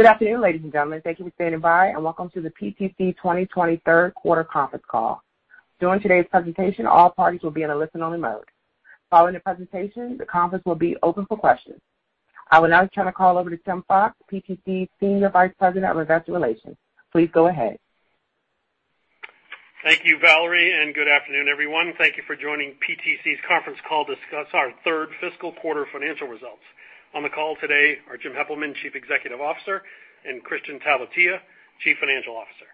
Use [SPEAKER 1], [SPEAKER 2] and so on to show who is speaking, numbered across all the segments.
[SPEAKER 1] Good afternoon, ladies and gentlemen. Thank you for standing by, and welcome to the PTC 2020 Third Quarter Conference Call. During today's presentation, all parties will be in a listen-only mode. Following the presentation, the conference will be open for questions. I would now turn the call over to Tim Fox, PTC Senior Vice President of Investor Relations. Please go ahead.
[SPEAKER 2] Thank you, Valerie, and good afternoon, everyone. Thank you for joining PTC's conference call to discuss our third fiscal quarter financial results. On the call today are Jim Heppelmann, Chief Executive Officer, and Kristian Talvitie, Chief Financial Officer.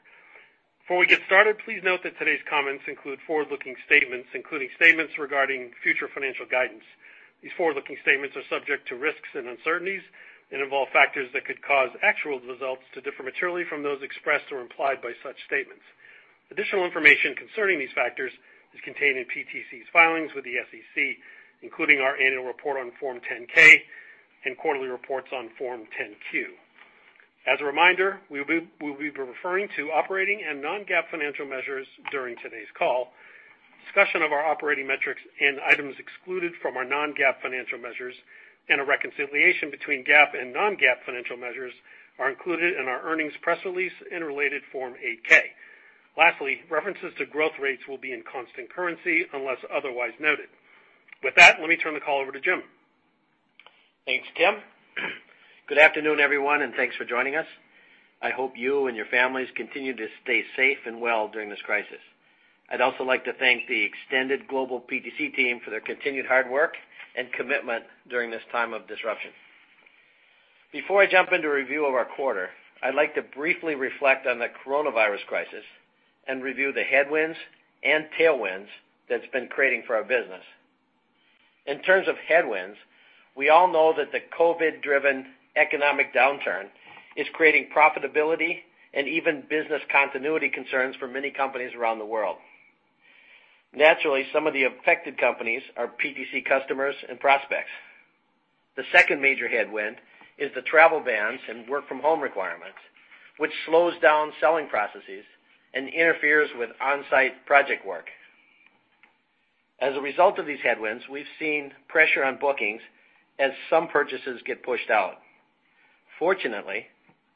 [SPEAKER 2] Before we get started, please note that today's comments include forward-looking statements, including statements regarding future financial guidance. These forward-looking statements are subject to risks and uncertainties and involve factors that could cause actual results to differ materially from those expressed or implied by such statements. Additional information concerning these factors is contained in PTC's filings with the SEC, including our annual report on Form 10-K and quarterly reports on Form 10-Q. As a reminder, we will be referring to operating and non-GAAP financial measures during today's call. Discussion of our operating metrics and items excluded from our non-GAAP financial measures and a reconciliation between GAAP and non-GAAP financial measures are included in our earnings press release and related Form 8-K. References to growth rates will be in constant currency unless otherwise noted. With that, let me turn the call over to Jim.
[SPEAKER 3] Thanks, Tim. Good afternoon, everyone, and thanks for joining us. I hope you and your families continue to stay safe and well during this crisis. I'd also like to thank the extended global PTC team for their continued hard work and commitment during this time of disruption. Before I jump into a review of our quarter, I'd like to briefly reflect on the coronavirus crisis and review the headwinds and tailwinds that it's been creating for our business. In terms of headwinds, we all know that the COVID-driven economic downturn is creating profitability and even business continuity concerns for many companies around the world. Naturally, some of the affected companies are PTC customers and prospects. The second major headwind is the travel bans and work-from-home requirements, which slows down selling processes and interferes with on-site project work. As a result of these headwinds, we've seen pressure on bookings as some purchases get pushed out. Fortunately,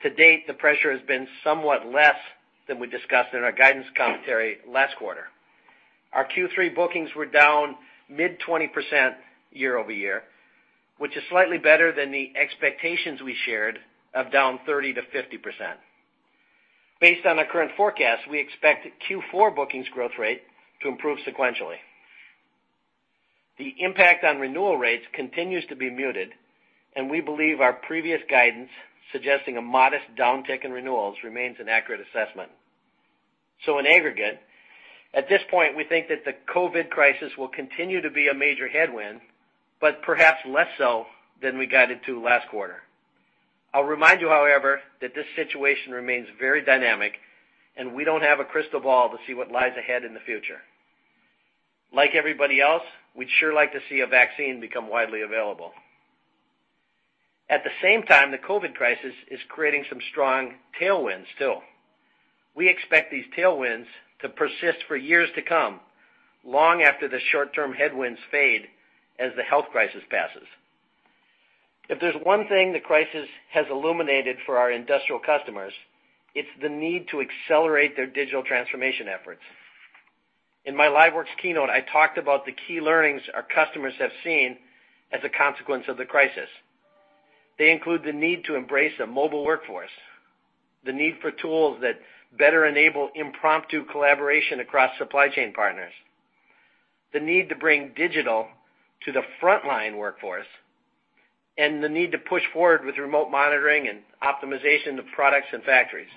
[SPEAKER 3] to date the pressure has been somewhat less than we discussed in our guidance commentary last quarter. Our Q3 bookings were down mid-20% year-over-year, which is slightly better than the expectations we shared of down 30%-50%. Based on our current forecast, we expect the Q4 bookings growth rate to improve sequentially. The impact on renewal rates continues to be muted, and we believe our previous guidance suggesting a modest downtick in renewals remains an accurate assessment. In aggregate, at this point we think that the COVID crisis will continue to be a major headwind, but perhaps less so than we guided to last quarter. I'll remind you, however, that this situation remains very dynamic and we don't have a crystal ball to see what lies ahead in the future. Like everybody else, we'd sure like to see a vaccine become widely available. At the same time, the COVID crisis is creating some strong tailwinds, too. We expect these tailwinds to persist for years to come, long after the short-term headwinds fade as the health crisis passes. If there's one thing the crisis has illuminated for our industrial customers, it's the need to accelerate their digital transformation efforts. In my LiveWorx keynote, I talked about the key learnings our customers have seen as a consequence of the crisis. They include the need to embrace a mobile workforce, the need for tools that better enable impromptu collaboration across supply chain partners, the need to bring digital to the frontline workforce, and the need to push forward with remote monitoring and optimization of products and factories.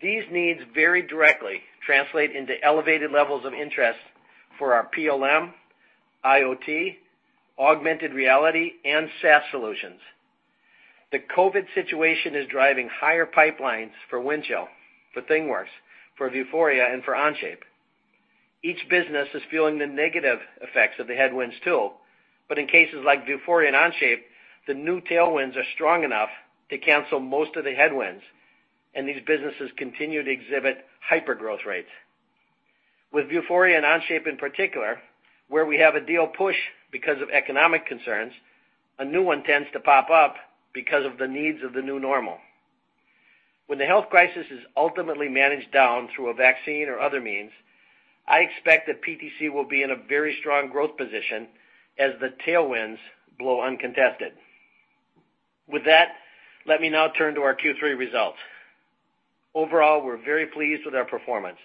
[SPEAKER 3] These needs very directly translate into elevated levels of interest for our PLM, IoT, augmented reality, and SaaS solutions. The COVID situation is driving higher pipelines for Windchill, for ThingWorx, for Vuforia, and for Onshape. Each business is feeling the negative effects of the headwinds too, but in cases like Vuforia and Onshape, the new tailwinds are strong enough to cancel most of the headwinds, and these businesses continue to exhibit hypergrowth rates. With Vuforia and Onshape in particular, where we have a deal push because of economic concerns, a new one tends to pop up because of the needs of the new normal. When the health crisis is ultimately managed down through a vaccine or other means, I expect that PTC will be in a very strong growth position as the tailwinds blow uncontested. With that, let me now turn to our Q3 results. Overall, we're very pleased with our performance.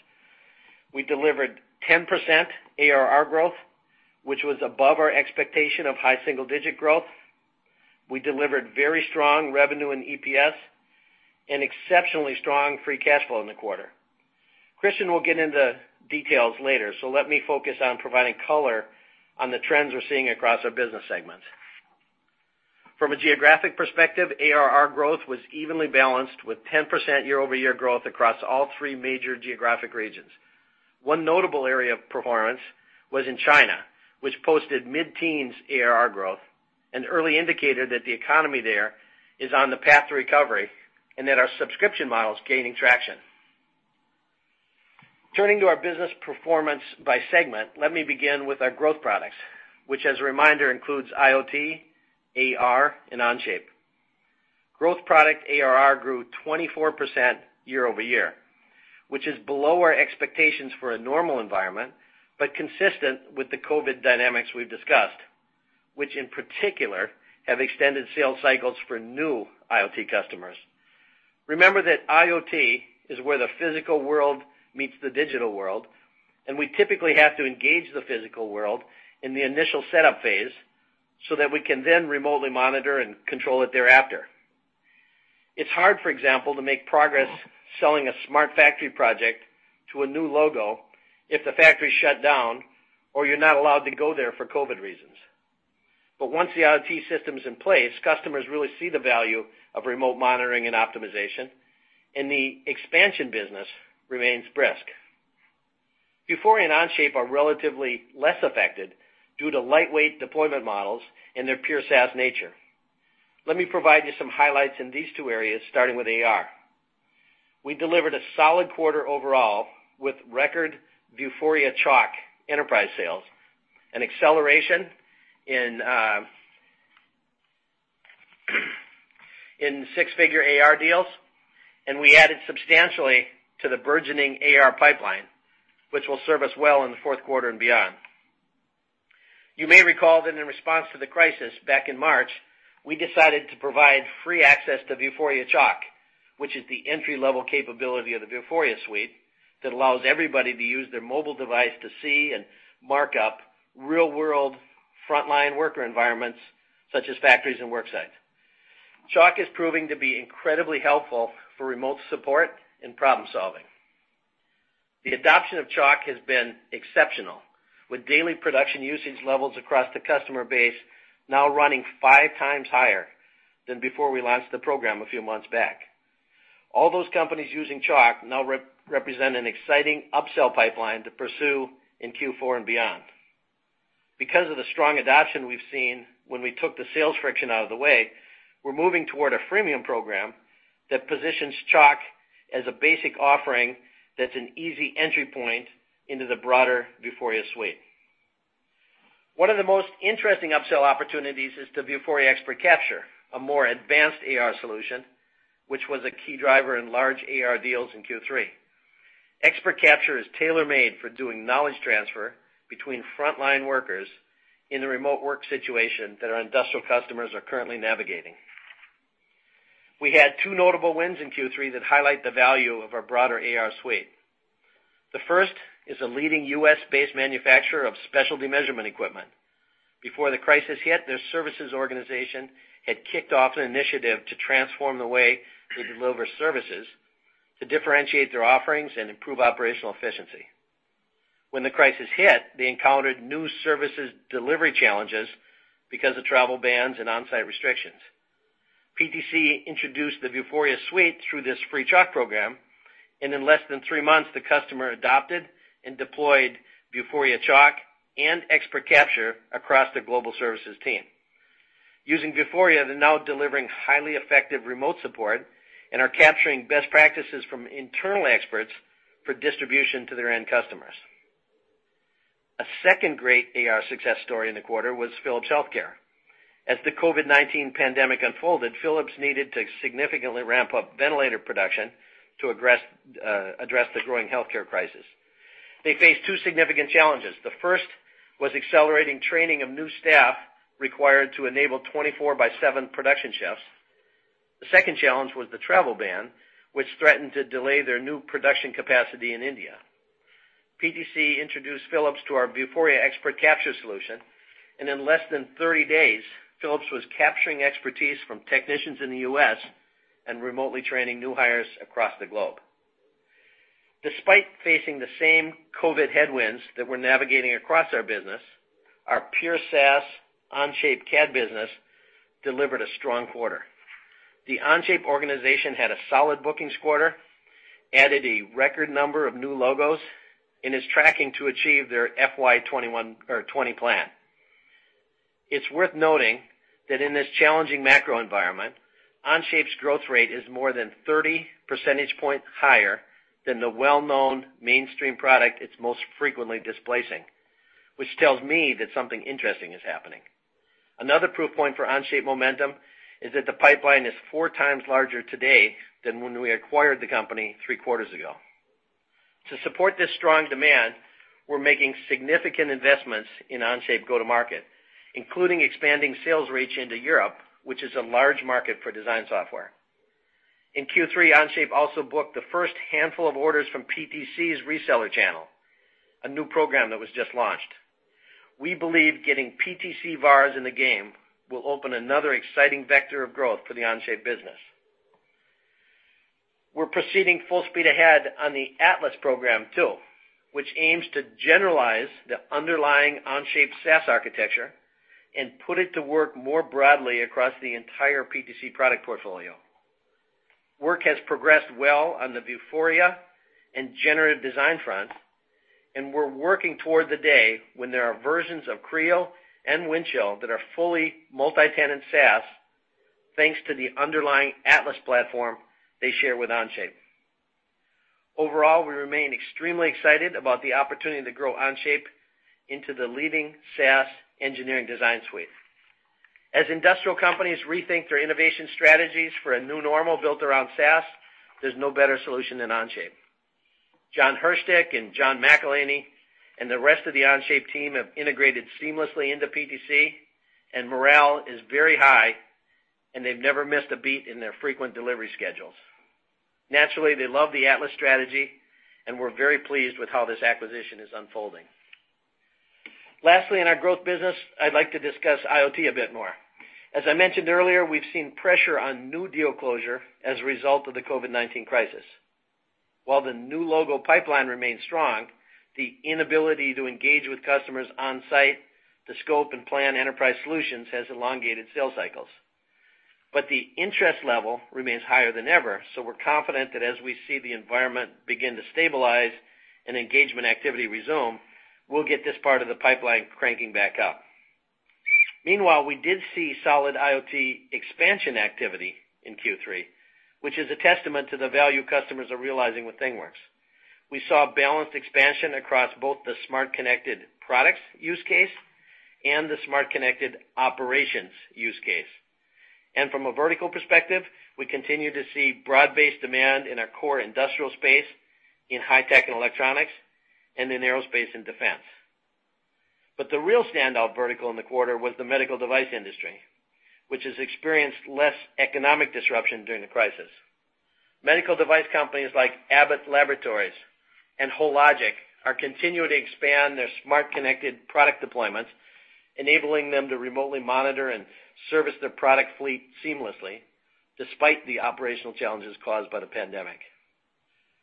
[SPEAKER 3] We delivered 10% ARR growth, which was above our expectation of high-single-digit growth. We delivered very strong revenue and EPS and exceptionally strong free cash flow in the quarter. Kristian will get into details later, so let me focus on providing color on the trends we're seeing across our business segments. From a geographic perspective, ARR growth was evenly balanced with 10% year-over-year growth across all three major geographic regions. One notable area of performance was in China, which posted mid-teens ARR growth, an early indicator that the economy there is on the path to recovery and that our subscription model is gaining traction. Turning to our business performance by segment, let me begin with our growth products, which, as a reminder, include IoT, AR, and Onshape. Growth product ARR grew 24% year-over-year, which is below our expectations for a normal environment but consistent with the COVID dynamics we've discussed, which in particular have extended sales cycles for new IoT customers. Remember that IoT is where the physical world meets the digital world, and we typically have to engage the physical world in the initial setup phase so that we can then remotely monitor and control it thereafter. It's hard, for example, to make progress selling a smart factory project to a new logo if the factory is shut down or you're not allowed to go there for COVID reasons. Once the IoT system is in place, customers really see the value of remote monitoring and optimization, and the expansion business remains brisk. Vuforia and Onshape are relatively less affected due to lightweight deployment models and their pure SaaS nature. Let me provide you some highlights in these two areas, starting with AR. We delivered a solid quarter overall with record Vuforia Chalk enterprise sales and an acceleration in six-figure AR deals, and we added substantially to the burgeoning AR pipeline, which will serve us well in the fourth quarter and beyond. You may recall that in response to the crisis back in March, we decided to provide free access to Vuforia Chalk, which is the entry-level capability of the Vuforia suite that allows everybody to use their mobile device to see and mark up real-world frontline worker environments such as factories and work sites. Chalk is proving to be incredibly helpful for remote support and problem-solving. The adoption of Chalk has been exceptional, with daily production usage levels across the customer base now running five times higher than before we launched the program a few months back. All those companies using Chalk now represent an exciting upsell pipeline to pursue in Q4 and beyond. Because of the strong adoption we've seen when we took the sales friction out of the way, we're moving toward a freemium program that positions Chalk as a basic offering that's an easy entry point into the broader Vuforia suite. One of the most interesting upsell opportunities is the Vuforia Expert Capture, a more advanced AR solution, which was a key driver in large AR deals in Q3. Expert Capture is tailor-made for doing knowledge transfer between frontline workers in the remote work situation that our industrial customers are currently navigating. We had two notable wins in Q3 that highlight the value of our broader AR suite. The first is a leading U.S.-based manufacturer of specialty measurement equipment. Before the crisis hit, their services organization had kicked off an initiative to transform the way they deliver services to differentiate their offerings and improve operational efficiency. When the crisis hit, they encountered new services delivery challenges because of travel bans and on-site restrictions. PTC introduced the Vuforia suite through this free Chalk program, in less than three months, the customer adopted and deployed Vuforia Chalk and Expert Capture across the global services team. Using Vuforia, they're now delivering highly effective remote support and are capturing best practices from internal experts for distribution to their end customers. A second great AR success story in the quarter was Philips Healthcare. As the COVID-19 pandemic unfolded, Philips needed to significantly ramp up ventilator production to address the growing healthcare crisis. They faced two significant challenges. The first was accelerated training of new staff required to enable 24 by seven production shifts. The second challenge was the travel ban, which threatened to delay their new production capacity in India. PTC introduced Philips to our Vuforia Expert Capture solution, and in less than 30 days, Philips was capturing expertise from technicians in the U.S. and remotely training new hires across the globe. Despite facing the same COVID headwinds that we're navigating across our business, our pure SaaS Onshape's CAD business delivered a strong quarter. The Onshape organization had a solid bookings quarter, added a record number of new logos, and is tracking to achieve its FY 2020 plan. It's worth noting that in this challenging macro environment, Onshape's growth rate is more than 30 percentage points higher than the well-known mainstream product it's most frequently displacing, which tells me that something interesting is happening. Another proof point for Onshape momentum is that the pipeline is four times larger today than when we acquired the company three quarters ago. To support this strong demand, we're making significant investments in Onshape go-to-market, including expanding sales reach into Europe, which is a large market for design software. In Q3, Onshape also booked the first handful of orders from PTC's reseller channel, a new program that was just launched. We believe getting PTC VARs in the game will open another exciting vector of growth for the Onshape business. We're proceeding full speed ahead on the Atlas program too, which aims to generalize the underlying Onshape SaaS architecture and put it to work more broadly across the entire PTC product portfolio. Work has progressed well on the Vuforia and generative design front, we're working toward the day when there are versions of Creo and Windchill that are fully multi-tenant SaaS thanks to the underlying Atlas platform they share with Onshape. Overall, we remain extremely excited about the opportunity to grow Onshape into the leading SaaS engineering design suite. As industrial companies rethink their innovation strategies for a new normal built around SaaS, there's no better solution than Onshape. Jon Hirschtick and John McEleney and the rest of the Onshape team have integrated seamlessly into PTC, and morale is very high, and they've never missed a beat in their frequent delivery schedules. Naturally, they love the Atlas strategy, and we're very pleased with how this acquisition is unfolding. Lastly, in our growth business, I'd like to discuss IoT a bit more. As I mentioned earlier, we've seen pressure on new deal closure as a result of the COVID-19 crisis. While the new logo pipeline remains strong, the inability to engage with customers on site to scope and plan enterprise solutions has elongated sales cycles. The interest level remains higher than ever. We're confident that as we see the environment begin to stabilize and engagement activity resume, we'll get this part of the pipeline cranking back up. Meanwhile, we did see solid IoT expansion activity in Q3, which is a testament to the value customers are realizing with ThingWorx. We saw balanced expansion across both the smart connected products use case and the smart connected operations use case. From a vertical perspective, we continue to see broad-based demand in our core industrial space in high tech and electronics and in aerospace and defense. The real standout vertical in the quarter was the medical device industry, which has experienced less economic disruption during the crisis. Medical device companies like Abbott Laboratories and Hologic are continuing to expand their smart connected product deployments, enabling them to remotely monitor and service their product fleet seamlessly, despite the operational challenges caused by the pandemic.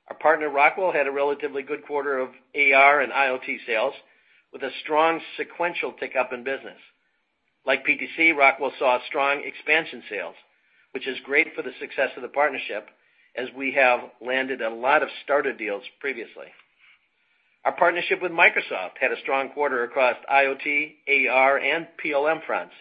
[SPEAKER 3] Our partner, Rockwell, had a relatively good quarter of AR and IoT sales with a strong sequential tick-up in business. Like PTC, Rockwell saw strong expansion sales, which is great for the success of the partnership as we have landed a lot of starter deals previously. Our partnership with Microsoft had a strong quarter across IoT, AR, and PLM fronts.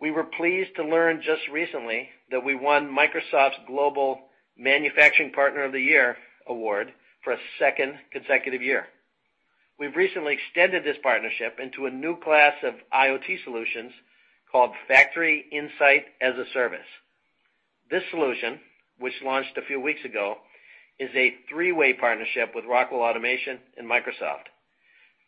[SPEAKER 3] We were pleased to learn just recently that we won Microsoft's Global Manufacturing Partner of the Year award for a second consecutive year. We've recently extended this partnership into a new class of IoT solutions called Factory Insights as a Service. This solution, which launched a few weeks ago, is a three-way partnership with Rockwell Automation and Microsoft.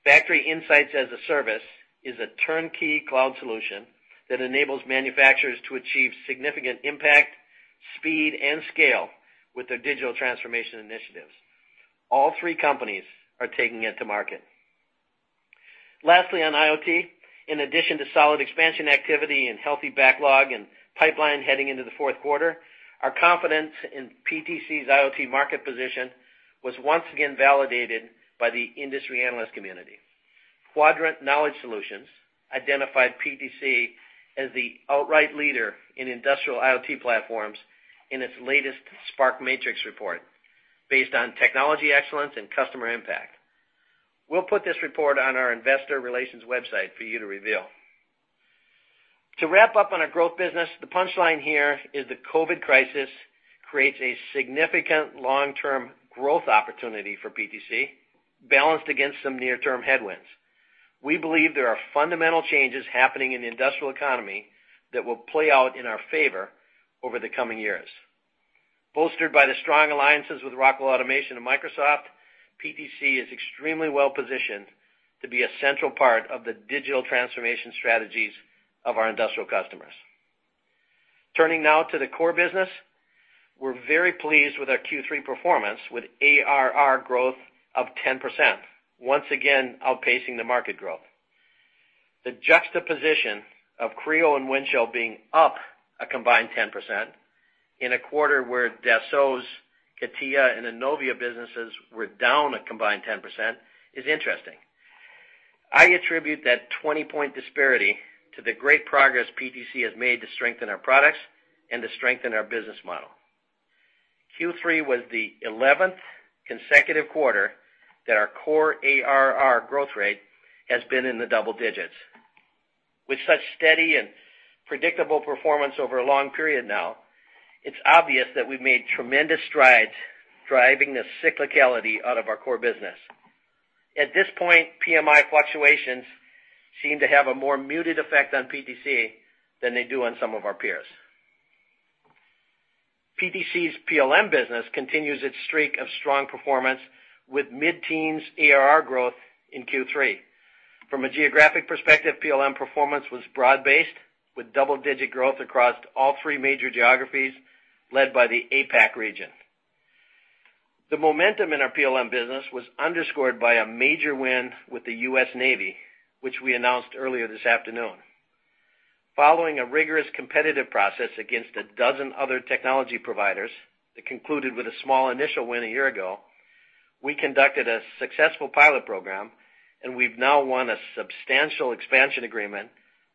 [SPEAKER 3] Factory Insights as a Service is a turnkey cloud solution that enables manufacturers to achieve significant impact, speed, and scale with their digital transformation initiatives. All three companies are taking it to market. Lastly, on IoT, in addition to solid expansion activity and healthy backlog and pipeline heading into the fourth quarter, our confidence in PTC's IoT market position was once again validated by the industry analyst community. Quadrant Knowledge Solutions identified PTC as the outright leader in industrial IoT platforms in its latest SPARK Matrix report based on technology excellence and customer impact. We'll put this report on our investor relations website for you to review. To wrap up on our business growth, the punchline here is the COVID crisis creates a significant long-term growth opportunity for PTC, balanced against some near-term headwinds. We believe there are fundamental changes happening in the industrial economy that will play out in our favor over the coming years. Bolstered by the strong alliances with Rockwell Automation and Microsoft, PTC is extremely well-positioned to be a central part of the digital transformation strategies of our industrial customers. Turning now to the core business. We're very pleased with our Q3 performance, with ARR growth of 10%, once again outpacing the market growth. The juxtaposition of Creo and Windchill being up a combined 10% in a quarter where Dassault's CATIA and ENOVIA businesses were down a combined 10% is interesting. I attribute that 20-point disparity to the great progress PTC has made to strengthen our products and to strengthen our business model. Q3 was the 11th consecutive quarter that our core ARR growth rate has been in the double-digits. With such steady and predictable performance over a long period now, it's obvious that we've made tremendous strides driving the cyclicality out of our core business. At this point, PMI fluctuations seem to have a more muted effect on PTC than they do on some of our peers. PTC's PLM business continues its streak of strong performance with mid-teens ARR growth in Q3. From a geographic perspective, PLM performance was broad-based, with double-digit growth across all three major geographies, led by the APAC region. The momentum in our PLM business was underscored by a major win with the US Navy, which we announced earlier this afternoon. Following a rigorous competitive process against 12 other technology providers that concluded with a small initial win a year ago, we conducted a successful pilot program, and we've now won a substantial expansion agreement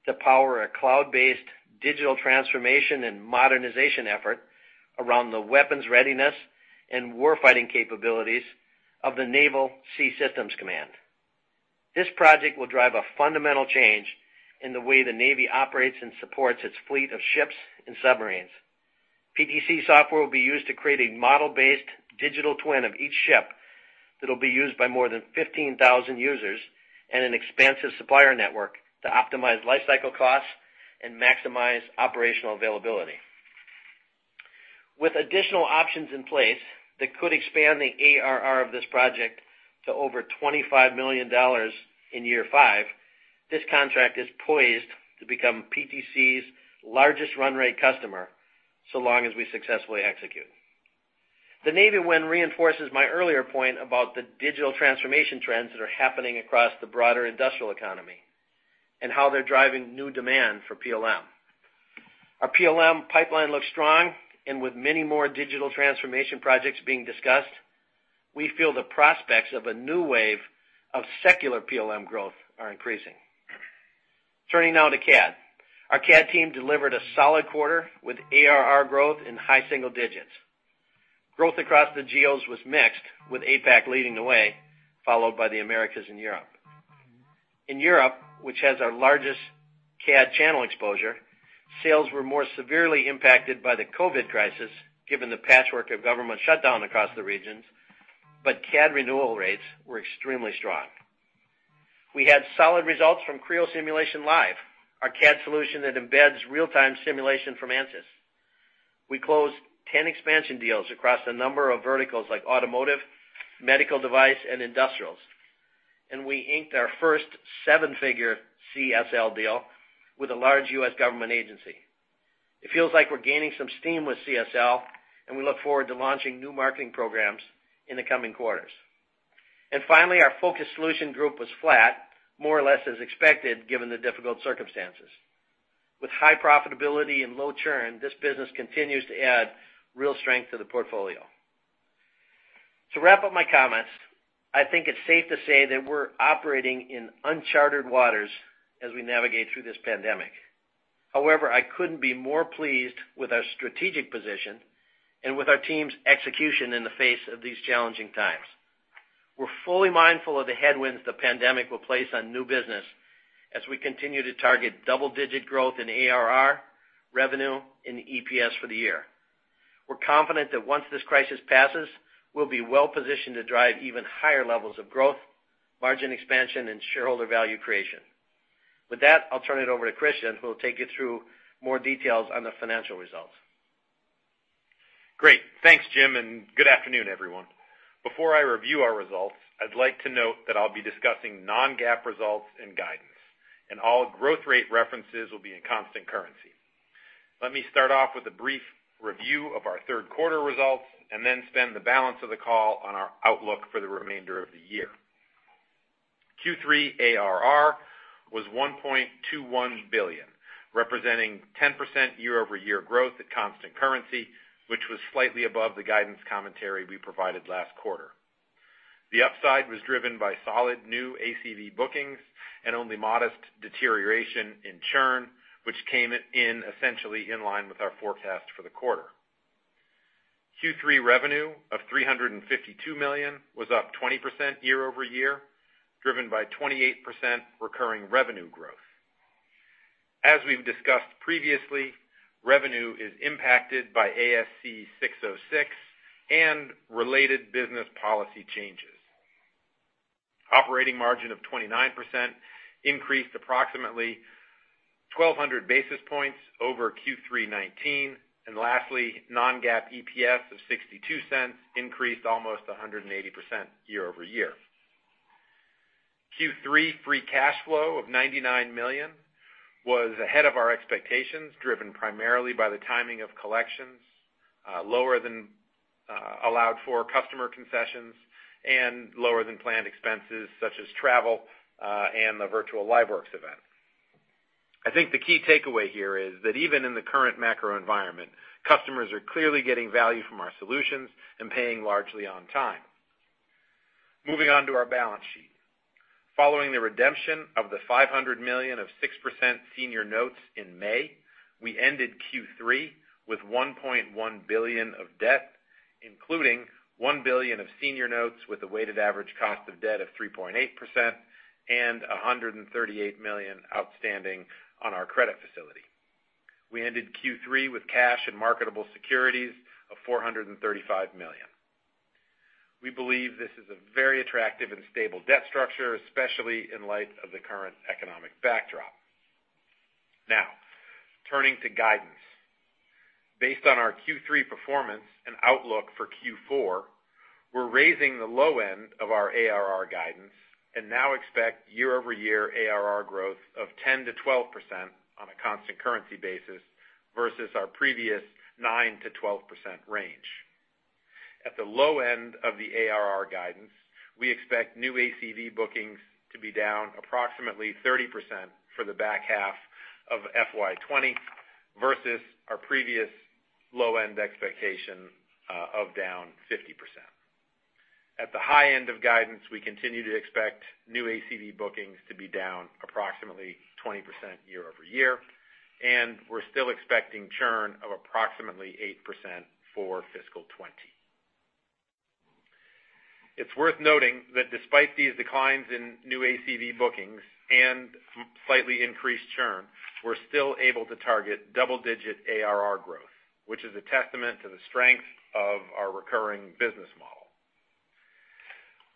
[SPEAKER 3] to power a cloud-based digital transformation and modernization effort around the weapons readiness and warfighting capabilities of the Naval Sea Systems Command. This project will drive a fundamental change in the way the Navy operates and supports its fleet of ships and submarines. PTC software will be used to create a model-based digital twin of each ship that'll be used by more than 15,000 users and an expansive supplier network to optimize lifecycle costs and maximize operational availability. With additional options in place that could expand the ARR of this project to over $25 million in year five, this contract is poised to become PTC's largest run-rate customer so long as we successfully execute. The Navy win reinforces my earlier point about the digital transformation trends that are happening across the broader industrial economy and how they're driving new demand for PLM. Our PLM pipeline looks strong, and with many more digital transformation projects being discussed, we feel the prospects of a new wave of secular PLM growth are increasing. Turning now to CAD. Our CAD team delivered a solid quarter with ARR growth in high-single-digits. Growth across the geos was mixed, with APAC leading the way, followed by the Americas and Europe. In Europe, which has our largest CAD channel exposure, sales were more severely impacted by the COVID crisis given the patchwork of government shutdowns across the regions, but CAD renewal rates were extremely strong. We had solid results from Creo Simulation Live, our CAD solution that embeds real-time simulation from Ansys. We closed 10 expansion deals across a number of verticals like automotive, medical devices, and industrials. We inked our first seven-figure CSL deal with a large U.S. government agency. It feels like we're gaining some steam with CSL. We look forward to launching new marketing programs in the coming quarters. Finally, our focused solutions group was flat, more or less as expected given the difficult circumstances. With high profitability and low churn, this business continues to add real strength to the portfolio. To wrap up my comments, I think it's safe to say that we're operating in uncharted waters as we navigate through this pandemic. However, I couldn't be more pleased with our strategic position and with our team's execution in the face of these challenging times. We're fully mindful of the headwinds the pandemic will place on new business as we continue to target double-digit growth in ARR, revenue, and EPS for the year. We're confident that once this crisis passes, we'll be well positioned to drive even higher levels of growth, margin expansion, and shareholder value creation. With that, I'll turn it over to Kristian, who will take you through more details on the financial results.
[SPEAKER 4] Great. Thanks, Jim, good afternoon, everyone. Before I review our results, I'd like to note that I'll be discussing non-GAAP results and guidance, and all growth rate references will be in constant currency. Let me start off with a brief review of our third quarter results and then spend the balance of the call on our outlook for the remainder of the year. Q3 ARR was $1.21 billion, representing 10% year-over-year growth at constant currency, which was slightly above the guidance commentary we provided last quarter. The upside was driven by solid new ACV bookings and only modest deterioration in churn, which came in essentially in line with our forecast for the quarter. Q3 revenue of $352 million was up 20% year-over-year, driven by 28% recurring revenue growth. As we've discussed previously, revenue is impacted by ASC 606 and related business policy changes. Operating margin of 29% increased approximately 1,200 basis points over Q3 2019. Lastly, non-GAAP EPS of $0.62 increased almost 180% year-over-year. Q3 free cash flow of $99 million was ahead of our expectations, driven primarily by the timing of collections, lower than allowed for customer concessions, and lower than planned expenses such as travel and the virtual LiveWorx event. I think the key takeaway here is that even in the current macro environment, customers are clearly getting value from our solutions and paying largely on time. Moving on to our balance sheet. Following the redemption of the $500 million of 6% senior notes in May, we ended Q3 with $1.1 billion of debt, including $1 billion of senior notes with a weighted average cost of debt of 3.8% and $138 million outstanding on our credit facility. We ended Q3 with cash and marketable securities of $435 million. We believe this is a very attractive and stable debt structure, especially in light of the current economic backdrop. Turning to guidance. Based on our Q3 performance and outlook for Q4, we're raising the low end of our ARR guidance and now expect year-over-year ARR growth of 10%-12% on a constant currency basis versus our previous 9%-12% range. At the low end of the ARR guidance, we expect new ACV bookings to be down approximately 30% for the back half of FY 2020 versus our previous low-end expectation of down 50%. At the high end of guidance, we continue to expect new ACV bookings to be down approximately 20% year-over-year, and we're still expecting churn of approximately 8% for fiscal 2020. It's worth noting that despite these declines in new ACV bookings and slightly increased churn, we're still able to target double-digit ARR growth, which is a testament to the strength of our recurring business model.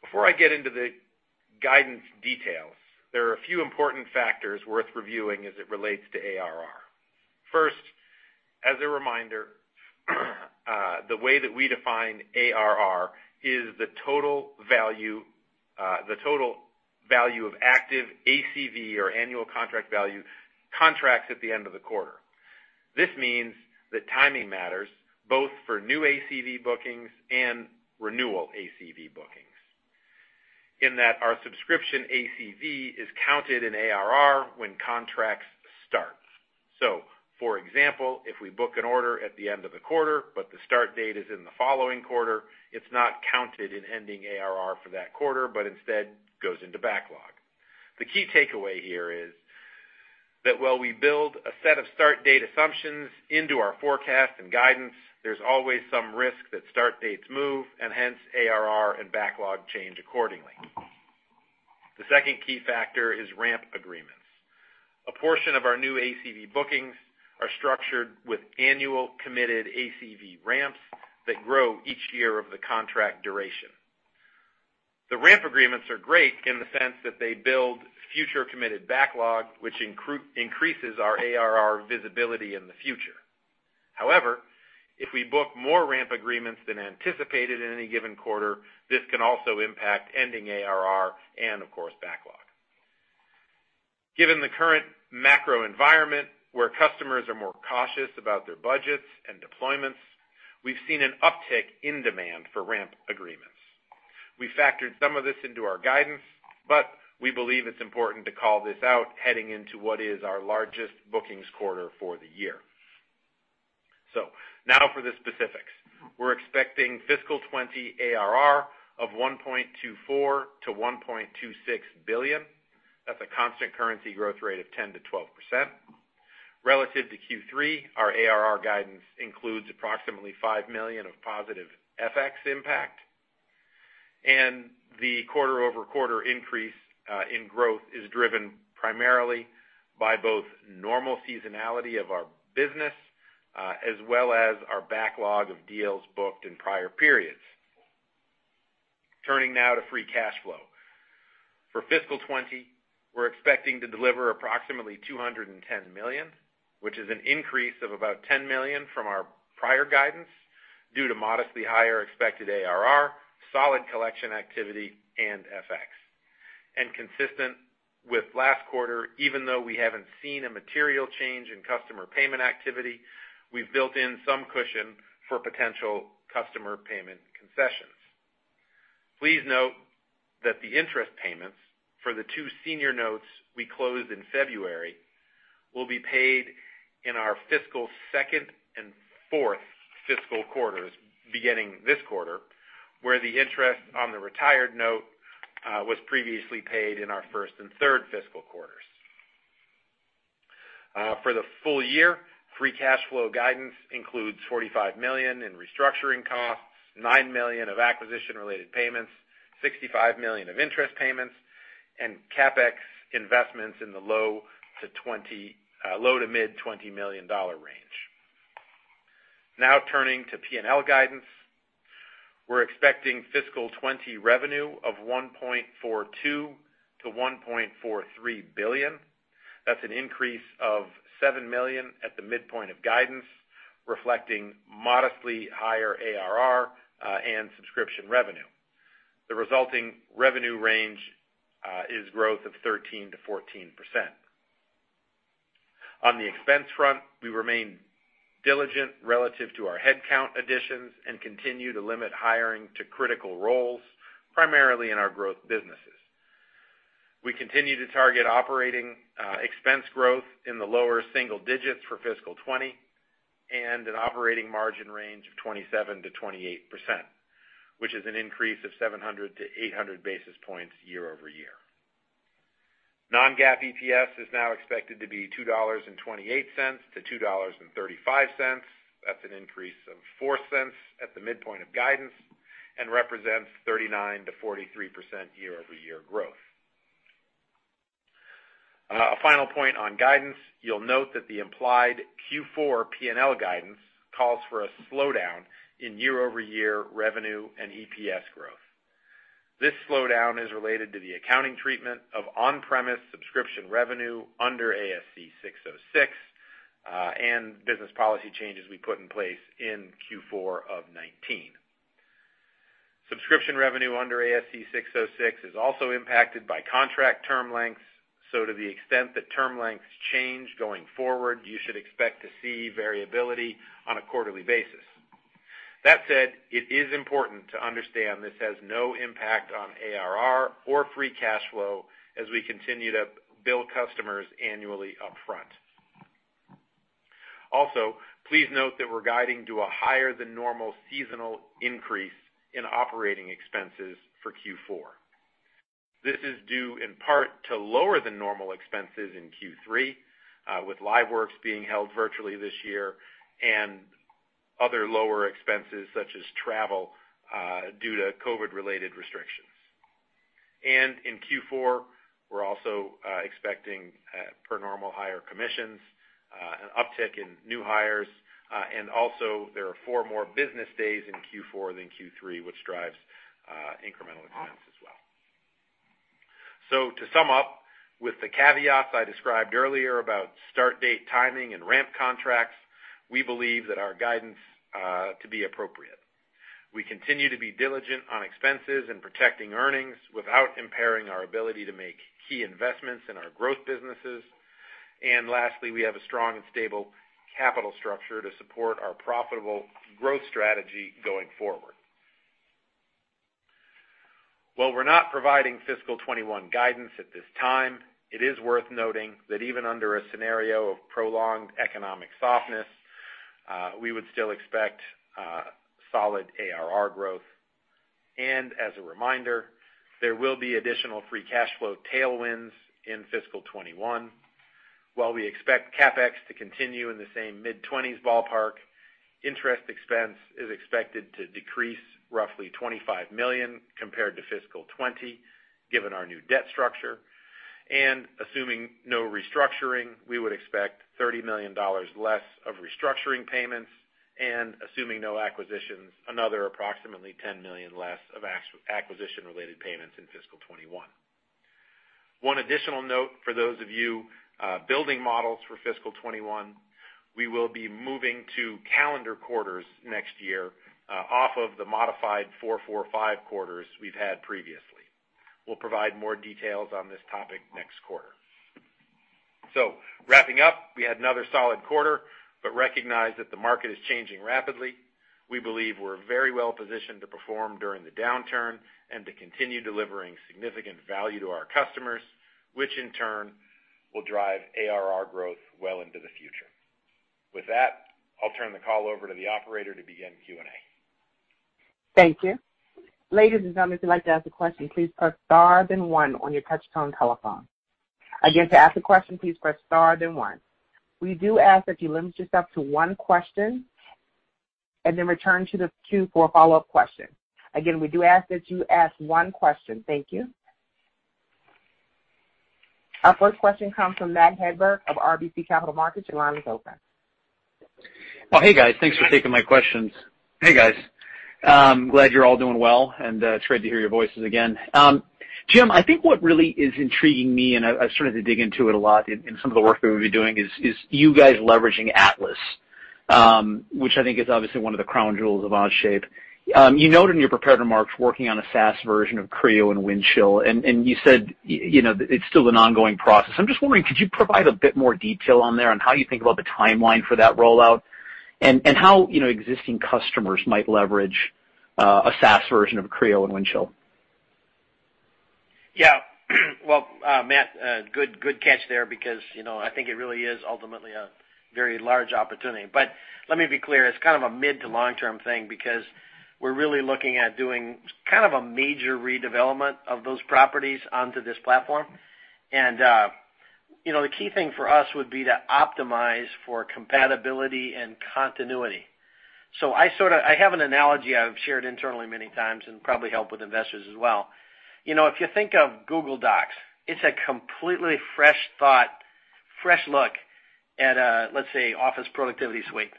[SPEAKER 4] Before I get into the guidance details, there are a few important factors worth reviewing as it relates to ARR. First, as a reminder, the way that we define ARR is the total value of active ACV or Annual Contract Value, contracts at the end of the quarter. This means that timing matters both for new ACV bookings and renewal ACV bookings, in that our subscription ACV is counted in ARR when contracts start. For example, if we book an order at the end of the quarter, but the start date is in the following quarter, it's not counted in ending ARR for that quarter, but instead goes into backlog. The key takeaway here is that while we build a set of start date assumptions into our forecast and guidance, there's always some risk that start dates move, and hence, ARR and backlog change accordingly. The second key factor is ramp agreements. A portion of our new ACV bookings are structured with annual committed ACV ramps that grow each year of the contract duration. The ramp agreements are great in the sense that they build future committed backlog, which increases our ARR visibility in the future. However, if we book more ramp agreements than anticipated in any given quarter, this can also impact ending ARR and of course, backlog. Given the current macro environment, where customers are more cautious about their budgets and deployments, we've seen an uptick in demand for ramp agreements. We factored some of this into our guidance. We believe it's important to call this out heading into what is our largest bookings quarter for the year. Now for the specifics. We're expecting fiscal 2020 ARR of $1.24 billion-$1.26 billion. That's a constant currency growth rate of 10%-12%. Relative to Q3, our ARR guidance includes approximately $5 million of positive FX impact, and the quarter-over-quarter increase in growth is driven primarily by both the normal seasonality of our business and our backlog of deals booked in prior periods. Turning now to free cash flow. For fiscal 2020, we're expecting to deliver approximately $210 million, which is an increase of about $10 million from our prior guidance due to modestly higher expected ARR, solid collection activity, and FX. Consistent with last quarter, even though we haven't seen a material change in customer payment activity, we've built in some cushion for potential customer payment concessions. Please note that the interest payments for the two senior notes we closed in February will be paid in our second and fourth fiscal quarters beginning this quarter, whereas the interest on the retired note was previously paid in our first and third fiscal quarters. For the full year, free cash flow guidance includes $45 million in restructuring costs, $9 million in acquisition-related payments, $65 million in interest payments, and CapEx investments in the low- to mid-$20 million range. Turning to P&L guidance. We're expecting fiscal 2020 revenue of $1.42 billion-$1.43 billion. That's an increase of $7 million at the midpoint of guidance, reflecting modestly higher ARR and subscription revenue. The resulting revenue range is growth of 13%-14%. On the expense front, we remain diligent relative to our headcount additions and continue to limit hiring to critical roles, primarily in our growth businesses. We continue to target operating expense growth in the lower single-digits for fiscal 2020, and an operating margin range of 27%-28%, which is an increase of 700 to 800 basis points year-over-year. Non-GAAP EPS is now expected to be $2.28-$2.35. That's an increase of $0.04 at the midpoint of guidance and represents 39%-43% year-over-year growth. A final point on guidance. You'll note that the implied Q4 P&L guidance calls for a slowdown in year-over-year revenue and EPS growth. This slowdown is related to the accounting treatment of on-premise subscription revenue under ASC 606 and business policy changes we put in place in Q4 of 2019. Subscription revenue under ASC 606 is also impacted by contract term lengths, to the extent that term lengths change going forward, you should expect to see variability on a quarterly basis. That said, it is important to understand this has no impact on ARR or free cash flow as we continue to bill customers annually upfront. Please note that we're guiding to a higher-than-normal seasonal increase in operating expenses for Q4. This is due in part to lower than normal expenses in Q3, with LiveWorx being held virtually this year, and other lower expenses, such as travel, due to COVID-related restrictions. In Q4, we're also expecting per normal higher commissions, an uptick in new hires, and also four more business days in Q4 than Q3, which drives incremental expense as well. To sum up, with the caveats I described earlier about start date timing and ramp contracts, we believe our guidance to be appropriate. We continue to be diligent on expenses and protecting earnings without impairing our ability to make key investments in our growth businesses. Lastly, we have a strong and stable capital structure to support our profitable growth strategy going forward. While we're not providing fiscal 2021 guidance at this time, it is worth noting that even under a scenario of prolonged economic softness, we would still expect solid ARR growth. As a reminder, there will be additional free cash flow tailwinds in fiscal 2021. While we expect CapEx to continue in the same mid-20s ballpark, interest expense is expected to decrease roughly $25 million compared to fiscal 2020, given our new debt structure. Assuming no restructuring, we would expect $30 million less in restructuring payments, and assuming no acquisitions, another approximately $10 million less in acquisition-related payments in fiscal 2021. One additional note for those of you building models for fiscal 2021: we will be moving to calendar quarters next year off of the modified four-four-five quarters we've had previously. We'll provide more details on this topic next quarter. Wrapping up, we had another solid quarter but recognize that the market is changing rapidly. We believe we're very well positioned to perform during the downturn and to continue delivering significant value to our customers, which in turn will drive ARR growth well into the future. With that, I'll turn the call over to the operator to begin Q&A.
[SPEAKER 1] Thank you. Ladies and gentlemen, if you'd like to ask a question, please press star then one on your touch-tone telephone. Again, to ask a question, please press star, then one. We do ask that you limit yourself to one question and then return to the queue for a follow-up question. Again, we do ask that you ask one question. Thank you. Our first question comes from Matt Hedberg of RBC Capital Markets. Your line is open.
[SPEAKER 5] Well, hey guys, thanks for taking my questions. Hey, guys. I'm glad you're all doing well, and it's great to hear your voices again. Jim, I think what really is intriguing me, and I've started to dig into it a lot in some of the work that we've been doing is you guys leveraging Atlas, which I think is obviously one of the crown jewels of Onshape. You noted in your prepared remarks working on a SaaS version of Creo and Windchill, and you said it's still an ongoing process. I'm just wondering, could you provide a bit more detail on how you think about the timeline for that rollout and how existing customers might leverage a SaaS version of Creo and Windchill?
[SPEAKER 3] Well, Matt, good catch there because I think it really is ultimately a very large opportunity. Let me be clear, it's kind of a mid-to-long-term thing because we're really looking at doing kind of a major redevelopment of those properties onto this platform. The key thing for us would be to optimize for compatibility and continuity. I have an analogy I've shared internally many times and probably helps with investors as well. If you think of Google Docs, it's a completely fresh thought, a fresh look at, let's say, the Office productivity suite.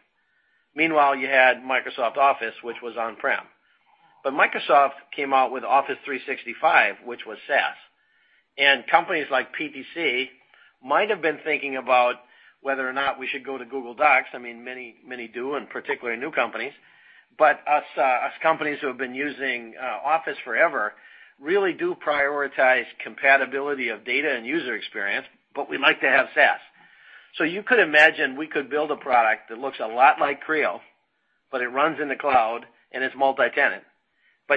[SPEAKER 3] Meanwhile, you had Microsoft Office, which was on-prem, but Microsoft came out with Office 365, which was SaaS. Companies like PTC might have been thinking about whether or not we should go to Google Docs. I mean, many do, and particularly new companies. Us companies who have been using Office forever really do prioritize compatibility of data and user experience. We like to have SaaS. You could imagine we could build a product that looks a lot like Creo, but it runs in the cloud and it's multi-tenant.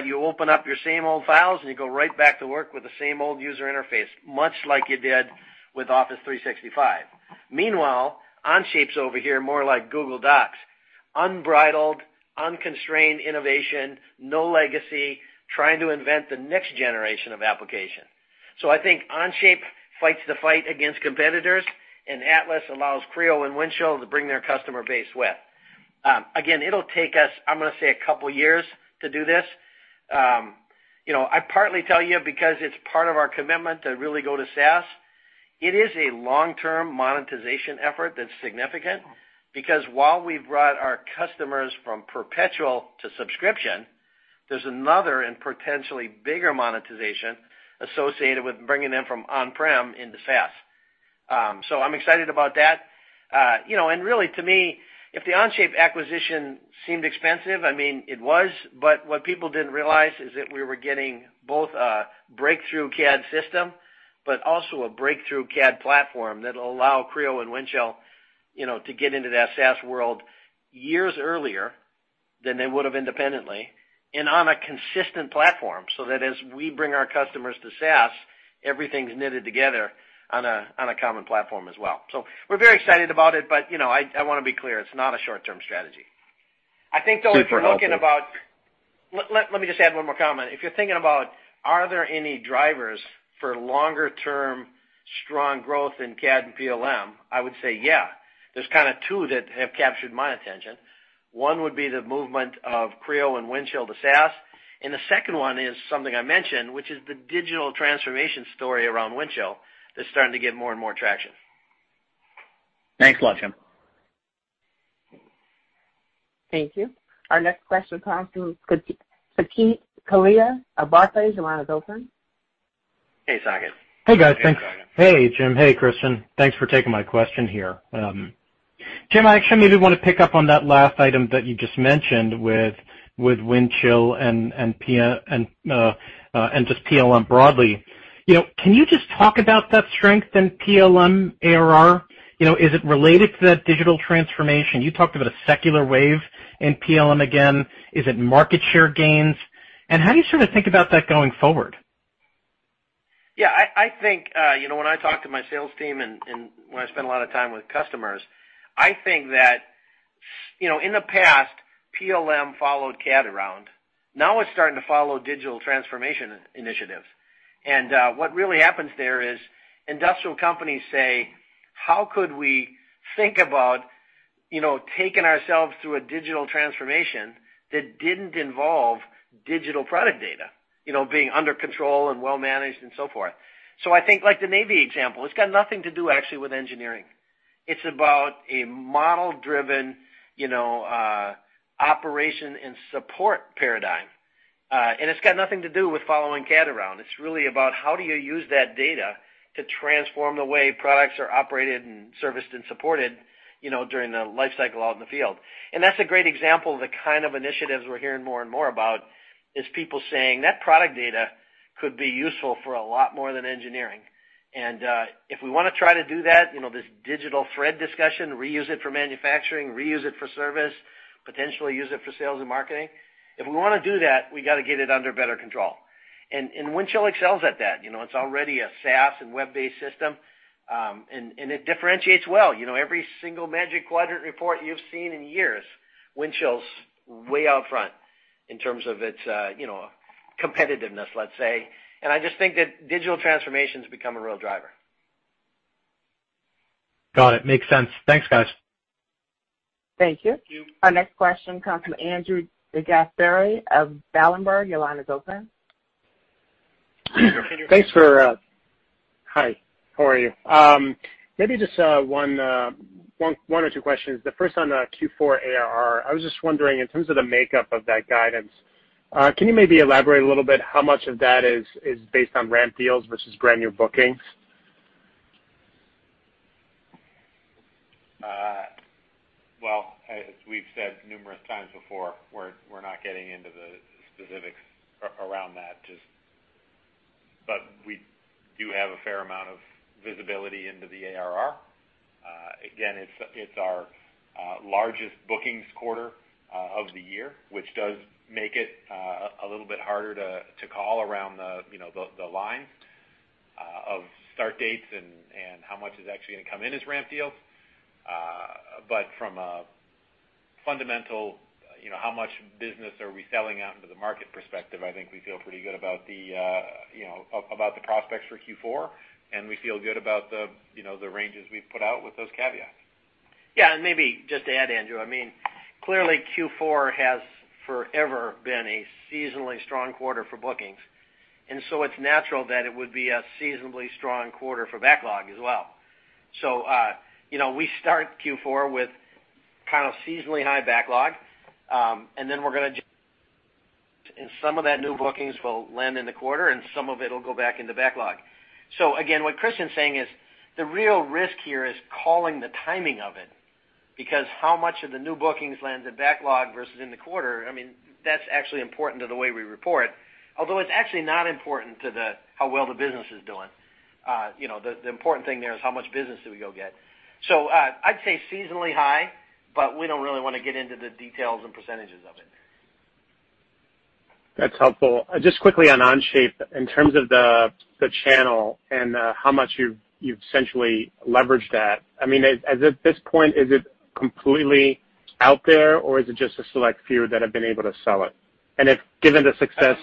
[SPEAKER 3] You open up your same old files, and you go right back to work with the same old user interface, much like you did with Office 365. Meanwhile, Onshape's over here more like Google Docs, unbridled, unconstrained innovation, no legacy, trying to invent the next generation of applications. I think Onshape fights the fight against competitors, and Atlas allows Creo and Windchill to bring their customer base with. Again, it'll take us, I'm going to say, a couple of years to do this. I partly tell you because it's part of our commitment to really go to SaaS. It is a long-term monetization effort that's significant because while we've brought our customers from perpetual to subscription, there's another and potentially bigger monetization associated with bringing them from on-premise into SaaS. I'm excited about that. Really, to me, if the Onshape acquisition seemed expensive, it was, but what people didn't realize is that we were getting both a breakthrough CAD system and a breakthrough CAD platform that allowed Creo and Windchill to get into that SaaS world years earlier than they would have independently and on a consistent platform, so as we bring our customers to SaaS, everything's knitted together on a common platform as well. We're very excited about it, but I want to be clear: it's not a short-term strategy. I think so, though, let me just add one more comment. If you're thinking about whether there are any drivers for longer-term strong growth in CAD and PLM, I would say yeah. There are kind of two that have captured my attention. One would be the movement of Creo and Windchill to SaaS. The second one is something I mentioned, which is the digital transformation story around Windchill, that's starting to get more and more traction.
[SPEAKER 5] Thanks a lot, Jim.
[SPEAKER 1] Thank you. Our next question comes from Saket Kalia of Barclays. Your line is open.
[SPEAKER 3] Hey, Saket.
[SPEAKER 6] Hey, guys. Thanks. Hey, Jim. Hey, Kristian. Thanks for taking my question here. Jim, I actually maybe want to pick up on that last item that you just mentioned with Windchill and just PLM broadly. Can you just talk about that strength in PLM, ARR? Is it related to that digital transformation? You talked about a secular wave in PLM again. Is it market share gains? How do you sort of think about that going forward?
[SPEAKER 3] Yeah, I think when I talk to my sales team and when I spend a lot of time with customers, I think that, in the past, PLM followed CAD around. Now it's starting to follow digital transformation initiatives. What really happens there is industrial companies say, how could we think about taking ourselves through a digital transformation that didn't involve digital product data being under control and well-managed and so forth. I think like the Navy example, it's got nothing to do actually with engineering. It's about a model-driven operation and support paradigm. It's got nothing to do with following CAD around. It's really about how do you use that data to transform the way products are operated and serviced and supported during the life cycle out in the field. That's a great example of the kind of initiatives we're hearing more and more about, is people saying that product data could be useful for a lot more than engineering. If we want to try to do that, this digital thread discussion reuse it for manufacturing, reuse it for service, and potentially be used for sales and marketing. If we want to do that, we have got to get it under better control. Windchill excels at that. It's already a SaaS and web-based system, and it differentiates well. Every single Magic Quadrant report you've seen in years, Windchill's way out front in terms of its competitiveness, let's say. I just think that digital transformation's become a real driver.
[SPEAKER 6] Got it. Makes sense. Thanks, guys.
[SPEAKER 1] Thank you. Our next question comes from Andrew DeGasperi of Berenberg. Your line is open.
[SPEAKER 7] Hi, how are you? Maybe just one or two questions. The first is Q4 ARR. I was just wondering in terms of the makeup of that guidance, can you maybe elaborate a little bit on how much of that is based on ramp deals versus brand-new bookings?
[SPEAKER 4] Well, as we've said numerous times before, we're not getting into the specifics around that. We do have a fair amount of visibility into the ARR. It's our largest booking quarter of the year, which does make it a little bit harder to call around the line of start dates and how much is actually going to come in as ramp deals. From a fundamental how much business are we selling out into the market? perspective, I think we feel pretty good about the prospects for Q4, and we feel good about the ranges we've put out with those caveats.
[SPEAKER 3] Maybe just to add, Andrew, clearly Q4 has forever been a seasonally strong quarter for bookings. It's natural that it would be a seasonally strong quarter for backlog as well. We start Q4 with kind of a seasonally high backlog. Then some of those new bookings will land in the quarter. Some of it will go back into the backlog. Again, what Kristian's saying is the real risk here is calling the timing of it, because how much of the new bookings lands in backlog versus in the quarter is actually important to the way we report, although it's actually not important to how well the business is doing. The important thing there is how much business do we go get? I'd say seasonally high, but we don't really want to get into the details and percentages of it.
[SPEAKER 7] That's helpful. Just quickly on Onshape, in terms of the channel and how much you've essentially leveraged that. At this point, is it completely out there, or is it just a select few that have been able to sell it? If given the success,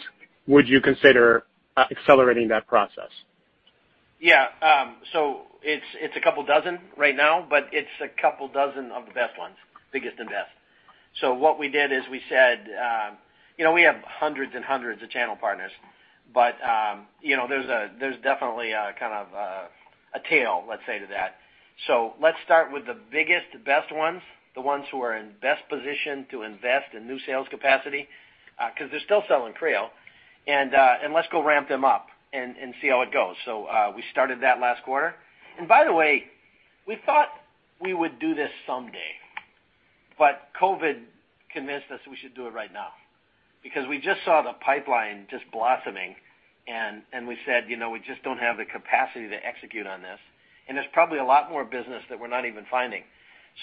[SPEAKER 7] would you consider accelerating that process?
[SPEAKER 3] It's a couple dozen right now, but it's a couple dozen of the best ones, biggest and best. What we did is we said, we have hundreds and hundreds of channel partners, but there's definitely a kind of a tail, let's say, to that. Let's start with the biggest, best ones, the ones who are in the best position to invest in new sales capacity because they're still selling Creo, and let's go ramp them up and see how it goes. We started that last quarter. By the way, we thought we would do this someday, but COVID convinced us we should do it right now because we just saw the pipeline just blossoming, and we said, we just don't have the capacity to execute on this. There's probably a lot more business that we're not even finding.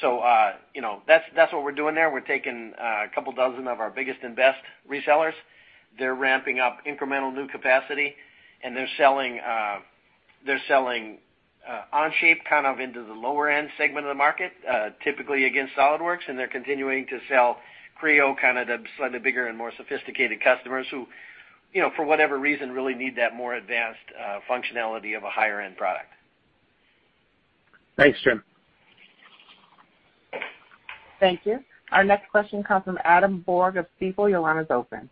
[SPEAKER 3] That's what we're doing there. We're taking a couple dozen of our biggest and best resellers. They're ramping up incremental new capacity, they're selling Onshape into the lower-end segment of the market, typically against SOLIDWORKS, and they're continuing to sell Creo, the slightly bigger and more sophisticated customers who, for whatever reason, really need that more advanced functionality of a higher-end product.
[SPEAKER 7] Thanks, Jim.
[SPEAKER 1] Thank you. Our next question comes from Adam Borg of Stifel. Your line is open.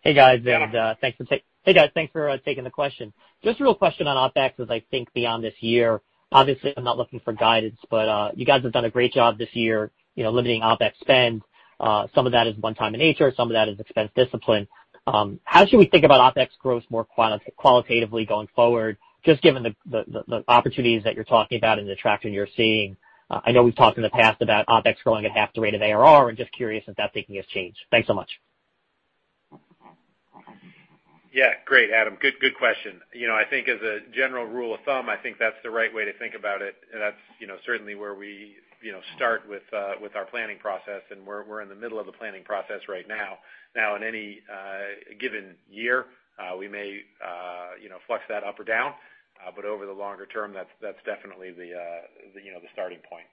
[SPEAKER 8] Hey, guys.
[SPEAKER 3] Hey.
[SPEAKER 8] Hey, guys. Thanks for taking the question. Just a real question on OpEx, as I think beyond this year, obviously I'm not looking for guidance, but you guys have done a great job this year limiting OpEx spend. Some of that is one time in nature, some of that is expense discipline. How should we think about OpEx growth more qualitatively going forward, just given the opportunities that you're talking about and the traction you're seeing? I know we've talked in the past about OpEx growing at half the rate of ARR. I'm just curious if that thinking has changed. Thanks so much.
[SPEAKER 4] Yeah. Great, Adam. Good question. I think as a general rule of thumb, I think that's the right way to think about it. That's certainly where we start with our planning process. We're in the middle of the planning process right now. In any given year, we may flex that up or down. Over the longer term, that's definitely the starting point.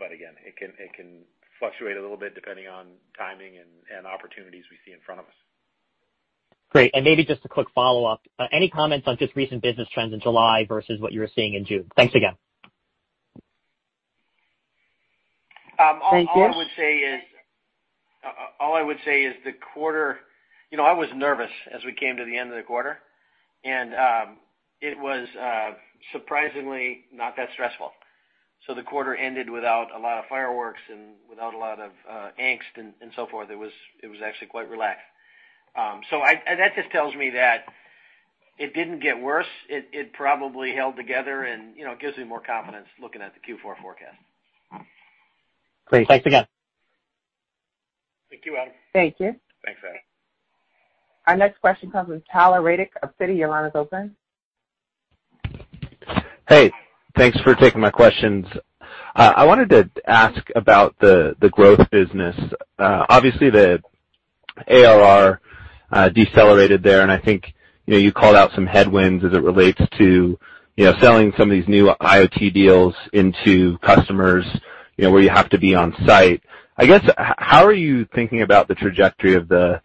[SPEAKER 4] Again, it can fluctuate a little bit depending on timing and opportunities we see in front of us.
[SPEAKER 8] Great. Maybe just a quick follow-up. Any comments on just recent business trends in July versus what you were seeing in June? Thanks again.
[SPEAKER 1] Thank you.
[SPEAKER 3] All I would say is, I was nervous as we came to the end of the quarter, and it was surprisingly not that stressful. The quarter ended without a lot of fireworks and without a lot of angst and so forth. It was actually quite relaxed. That just tells me that it didn't get worse. It probably held together, and it gives me more confidence looking at the Q4 forecast.
[SPEAKER 8] Great. Thanks again.
[SPEAKER 4] Thank you, Adam.
[SPEAKER 1] Thank you.
[SPEAKER 3] Thanks, Adam.
[SPEAKER 1] Our next question comes from Tyler Radke of Citi. Your line is open.
[SPEAKER 9] Hey, thanks for taking my questions. I wanted to ask about the growth business. Obviously, the ARR decelerated there, and I think you called out some headwinds as it relates to selling some of these new IoT deals to customers where you have to be on-site. I guess, how are you thinking about the trajectory of the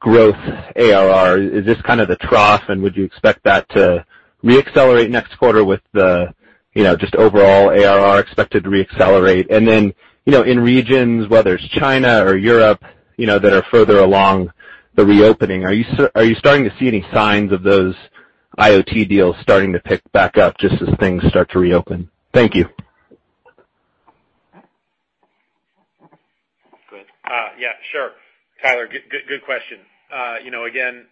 [SPEAKER 9] growth ARR? Is this the trough, and would you expect that to re-accelerate next quarter with the overall ARR expected to re-accelerate? In regions, whether it's China or Europe, that are further along the reopening, are you starting to see any signs of those IoT deals starting to pick back up just as things start to reopen? Thank you.
[SPEAKER 3] Go ahead.
[SPEAKER 4] Yeah, sure. Tyler, good question. Again,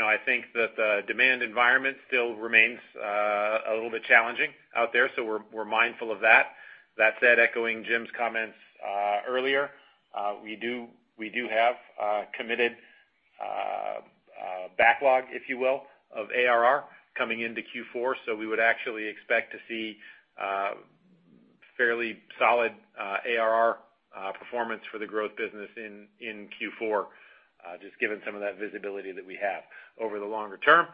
[SPEAKER 4] I think that the demand environment still remains a little bit challenging out there, so we're mindful of that. That said, echoing Jim's comments earlier, we do have a committed backlog, if you will, of ARR coming into Q4, so we would actually expect to see fairly solid ARR performance for the growth business in Q4, just given some of that visibility that we have. Over the longer term,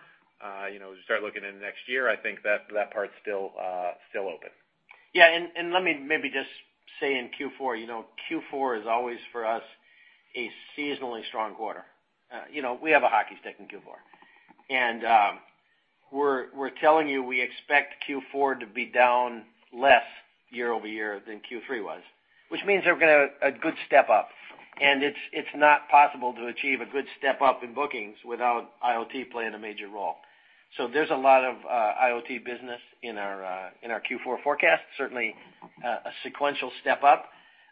[SPEAKER 4] as you start looking into next year, I think that part's still open.
[SPEAKER 3] Let me maybe just say in Q4. Q4 is always, for us, a seasonally strong quarter. We have a hockey stick in Q4. We're telling you we expect Q4 to be down less year-over-year than Q3 was, which means it's going to a good step up. It's not possible to achieve a good step up in bookings without IoT playing a major role. There's a lot of IoT business in our Q4 forecast, certainly a sequential step up.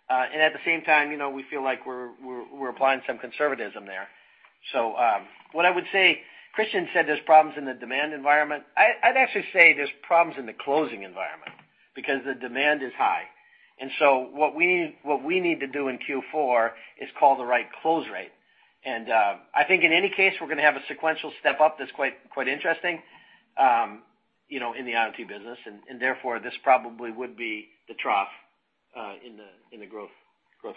[SPEAKER 3] At the same time, we feel like we're applying some conservatism there. What I would say, Kristian said, is there's a problem in the demand environment. I'd actually say there are problems in the closing environment because the demand is high. What we need to do in Q4 is call the right close rate. I think in any case, we're going to have a sequential step-up that's quite interesting in the IoT business, and therefore, this probably would be the trough in the growth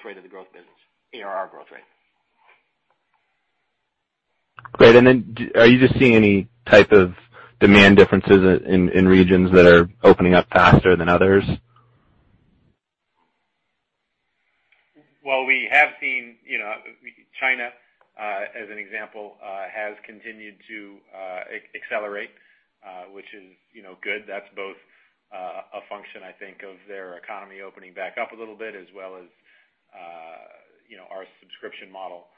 [SPEAKER 3] rate of the growth business, the ARR growth rate.
[SPEAKER 9] Great. Are you just seeing any type of demand differences in regions that are opening up faster than others?
[SPEAKER 4] Well, we have seen China, as an example, has continued to accelerate, which is good. That's both a function, I think, of their economy opening back up a little bit as well as our subscription model.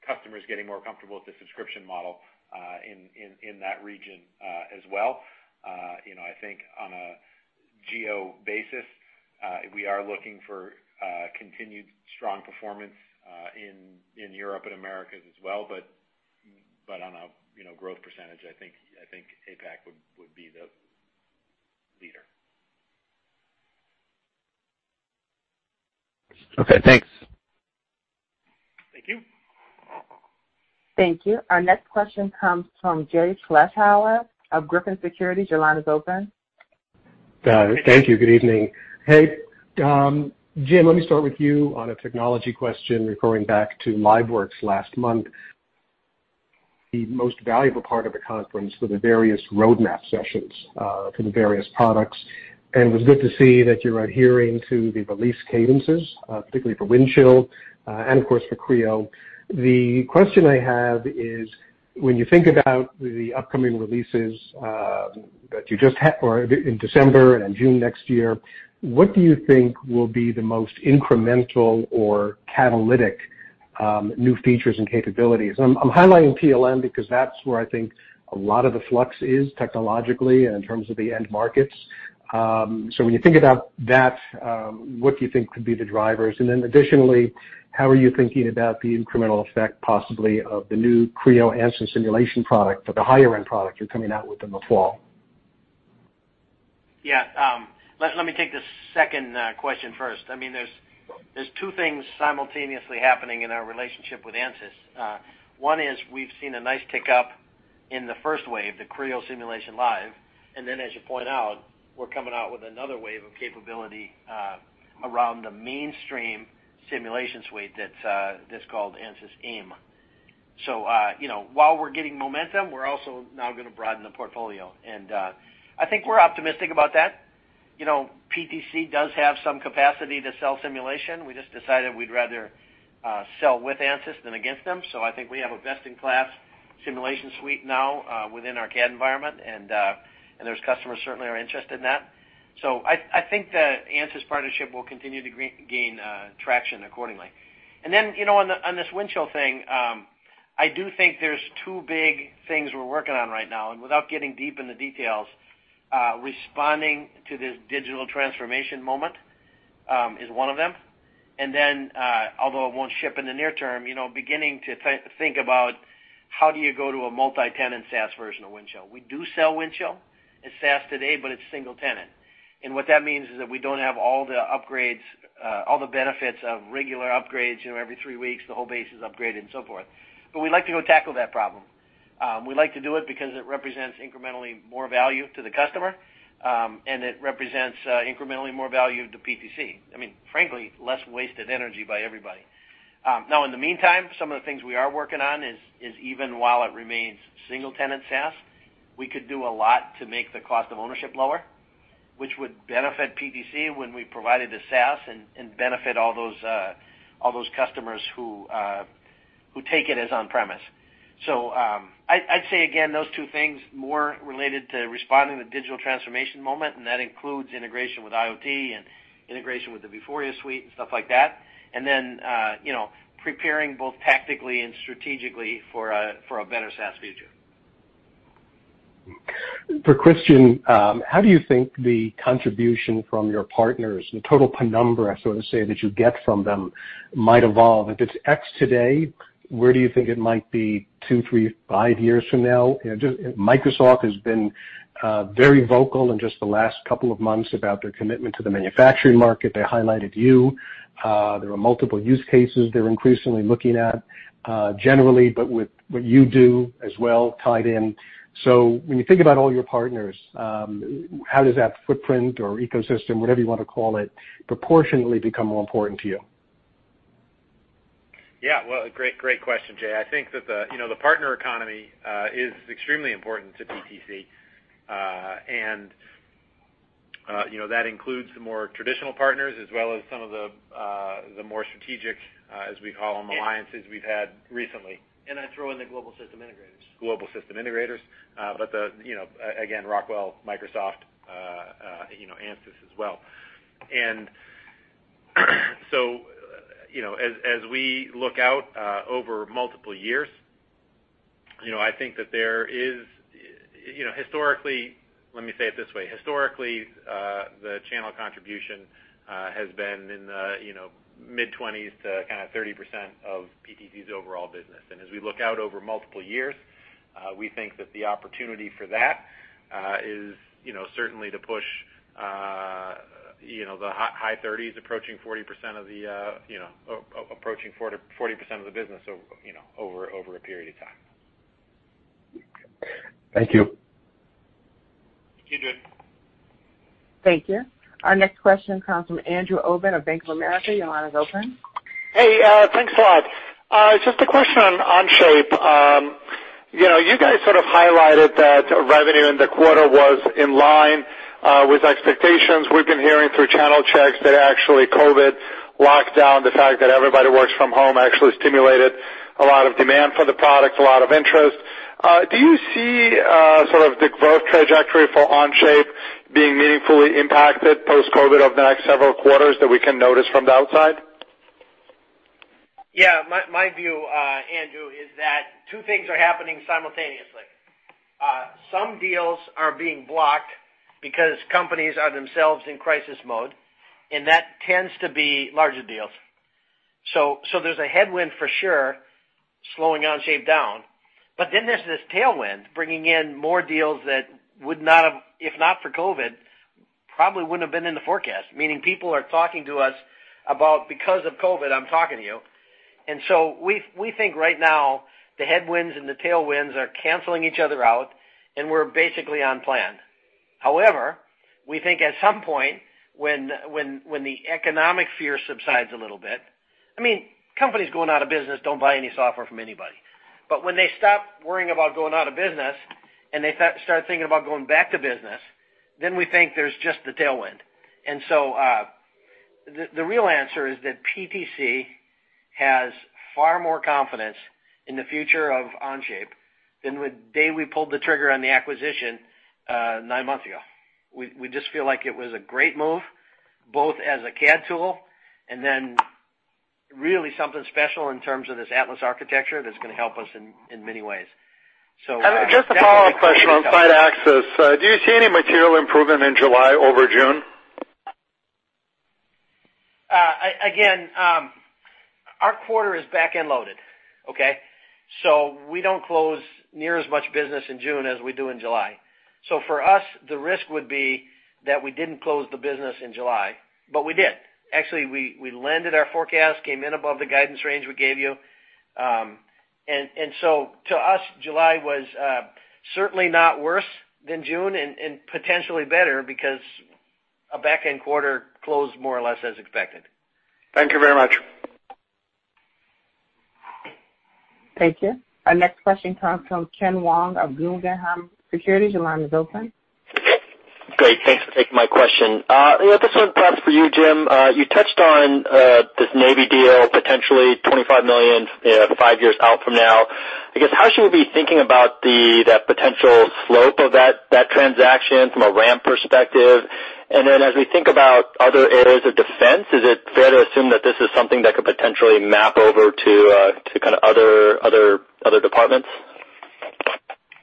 [SPEAKER 4] Customers getting more comfortable with the subscription model in that region as well. I think on a geo basis, we are looking for continued strong performance in Europe and the Americas as well, but on a growth percentage, I think APAC would be the leader.
[SPEAKER 9] Okay, thanks.
[SPEAKER 4] Thank you.
[SPEAKER 1] Thank you. Our next question comes from Jay Vleeschhouwer of Griffin Securities. Your line is open.
[SPEAKER 10] Thank you. Good evening. Hey. Jim, let me start with you on a technology question referring back to LiveWorx last month. The most valuable part of the conference were the various roadmap sessions for the various products. It was good to see that you're adhering to the release cadences, particularly for Windchill and, of course, for Creo. The question I have is, when you think about the upcoming releases in December and in June next year, what do you think will be the most incremental or catalytic new features and capabilities? I'm highlighting PLM because that's where I think a lot of the flux is technologically and in terms of the end markets. When you think about that, what do you think could be the drivers? Additionally, how are you thinking about the incremental effect, possibly, of the new Creo Ansys simulation product or the higher-end product you're coming out with in the fall?
[SPEAKER 3] Yeah. Let me take the second question first. There are two things simultaneously happening in our relationship with Ansys. One is we've seen a nice tick up in the first wave, Creo Simulation Live. As you point out, we're coming out with another wave of capability around a mainstream simulation suite that's called Ansys AIM. While we're getting momentum, we're also now going to broaden the portfolio. I think we're optimistic about that. PTC does have some capacity to sell simulation. We just decided we'd rather sell with Ansys than against them. I think we have a best-in-class simulation suite now within our CAD environment, and those customers certainly are interested in that. I think the Ansys partnership will continue to gain traction accordingly. On this Windchill thing, I do think there are two big things we're working on right now, without getting deep in the details, responding to this digital transformation moment is one of them. Although it won't ship in the near term, begin to think about how you go to a multi-tenant SaaS version of Windchill. We do sell Windchill as SaaS today, but it's single-tenant. What that means is that we don't have all the benefits of regular upgrades. Every three weeks, the whole base is upgraded and so forth. We'd like to go tackle that problem. We'd like to do it because it represents incrementally more value to the customer and it represents incrementally more value to PTC. Frankly, less wasted energy by everybody. In the meantime, some of the things we are working on are even while it remains single-tenant SaaS, we could do a lot to make the cost of ownership lower, which would benefit PTC when we provide it as SaaS and benefit all those customers who take it as on-premise. I'd say again, those two things are more related to responding to the digital transformation moment, and that includes integration with IoT and integration with the Vuforia suite and stuff like that. Then preparing both tactically and strategically for a better SaaS future.
[SPEAKER 10] Kristian, how do you think the contribution from your partners, the total penumbra, so to say, that you get from them might evolve? If it's X today, where do you think it might be two, three, five years from now? Microsoft has been very vocal in just the last couple of months about their commitment to the manufacturing market. They highlighted you. There are multiple use cases they're increasingly looking at generally, but with what you do as well tied in. When you think about all your partners, how does that footprint or ecosystem, whatever you want to call it, proportionately become more important to you?
[SPEAKER 4] Yeah. Well, great question, Jay. I think that the partner economy is extremely important to PTC. That includes the more traditional partners as well as some of the more strategic, as we call them, alliances we've had recently.
[SPEAKER 3] I'd throw in the global system integrators.
[SPEAKER 4] Global system integrators. Again, Rockwell, Microsoft, and Ansys as well. As we look out over multiple years, Historically, let me say it this way. Historically, the channel contribution has been in the mid-20s to kind of 30% of PTC's overall business. As we look out over multiple years, we think that the opportunity for that is certainly to push the high-30s, approaching 40% of the business, over a period of time.
[SPEAKER 10] Thank you.
[SPEAKER 4] Thank you, Jay.
[SPEAKER 1] Thank you. Our next question comes from Andrew Obin of Bank of America. Your line is open.
[SPEAKER 11] Hey, thanks a lot. Just a question on Onshape. You guys sort of highlighted that revenue in the quarter was in line with expectations. We've been hearing through channel checks that actually COVID lockdown, the fact that everybody works from home, actually stimulated a lot of demand for the product and a lot of interest. Do you see sort of the growth trajectory for Onshape being meaningfully impacted post-COVID over the next several quarters that we can notice from the outside?
[SPEAKER 3] Yeah. My view, Andrew, is that two things are happening simultaneously. Some deals are being blocked because companies are themselves in crisis mode, and that tends to be larger deals. There's a headwind for sure, slowing Onshape down. There's this tailwind bringing in more deals that would not have, if not for COVID, probably been in the forecast. Meaning people are talking to us about, Because of COVID, I'm talking to you. We think right now the headwinds and the tailwinds are canceling each other out, and we're basically on plan. However, we think so at some point when the economic fear subsides a little bit. Companies going out of business don't buy any software from anybody. When they stop worrying about going out of business and they start thinking about going back to business, then we think there's just the tailwind. The real answer is that PTC has far more confidence in the future of Onshape than the day we pulled the trigger on the acquisition, nine months ago. We just feel like it was a great move, both as a CAD tool and then really something special in terms of this Atlas architecture that's going to help us in many ways.
[SPEAKER 11] Just a follow-up question on site access. Do you see any material improvement in July over June?
[SPEAKER 3] Again, our quarter is back-end loaded. Okay? We don't close near as much business in June as we do in July. For us, the risk would be that we didn't close the business in July. We did. Actually, we landed our forecast, coming in above the guidance range we gave you. To us, July was certainly not worse than June and potentially better because a back-end quarter closed more or less as expected.
[SPEAKER 11] Thank you very much.
[SPEAKER 1] Thank you. Our next question comes from Ken Wong of Guggenheim Securities. Your line is open.
[SPEAKER 12] Great. Thanks for taking my question. This one's perhaps for you, Jim. You touched on this Navy deal, potentially $25 million five years out from now. I guess how should we be thinking about the potential slope of that transaction from a ramp perspective? As we think about other areas of defense, is it fair to assume that this is something that could potentially map over to other departments?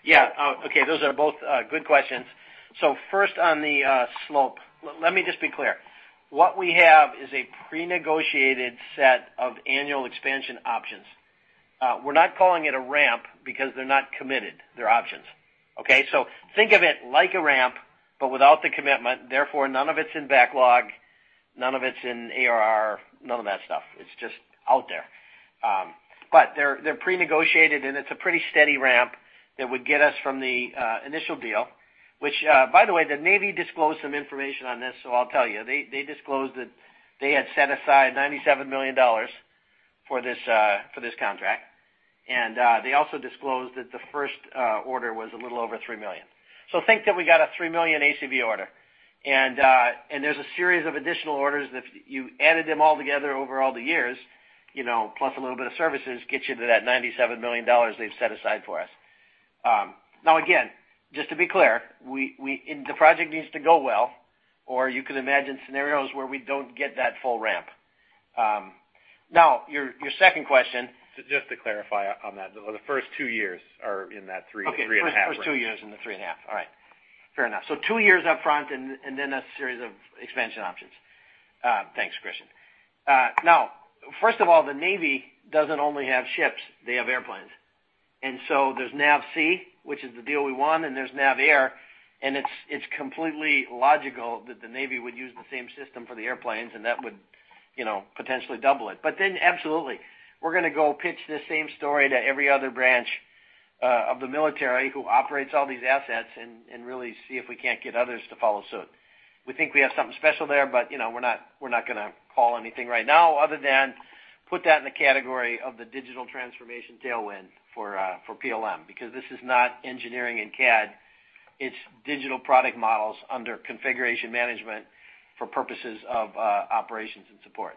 [SPEAKER 3] Yeah. Okay. Those are both good questions. First on the slope. Let me just be clear. What we have is a prenegotiated set of annual expansion options. We're not calling it a ramp because they're not committed. They're options. Okay? Think of it like a ramp, but without the commitment, therefore, none of it's in the backlog, none of it's in ARR, none of that stuff. It's just out there. They're prenegotiated, and it's a pretty steady ramp that would get us from the initial deal. Which, by the way, the Navy disclosed some information on this, so I'll tell you. They disclosed that they had set aside $97 million for this contract. They also disclosed that the first order was a little over $3 million. Think that we got a $3 million ACV order. There's a series of additional orders. If you added them all together over all the years, plus a little bit of services, it gets you to that $97 million they've set aside for us. Now, again, just to be clear, the project needs to go well, or you can imagine scenarios where we don't get that full ramp. Now, your second question—
[SPEAKER 4] Just to clarify on that, the first two years are in that three and a half range.
[SPEAKER 3] Okay. First two years of the three and a half. All right. Fair enough. Two years up front and then a series of expansion options. Thanks, Kristian. First of all, the Navy doesn't only have ships, they have airplanes. There's NAVSEA, which is the deal we won, and there's NAVAIR, and it's completely logical that the Navy would use the same system for the airplanes, and that would potentially double it. Absolutely, we're going to go pitch the same story to every other branch of the military who operates all these assets and really see if we can't get others to follow suit. We think we have something special there, but we're not going to call anything right now other than put that in the category of the digital transformation tailwind for PLM. This is not engineering and CAD, it's digital product models under configuration management for purposes of operations and support.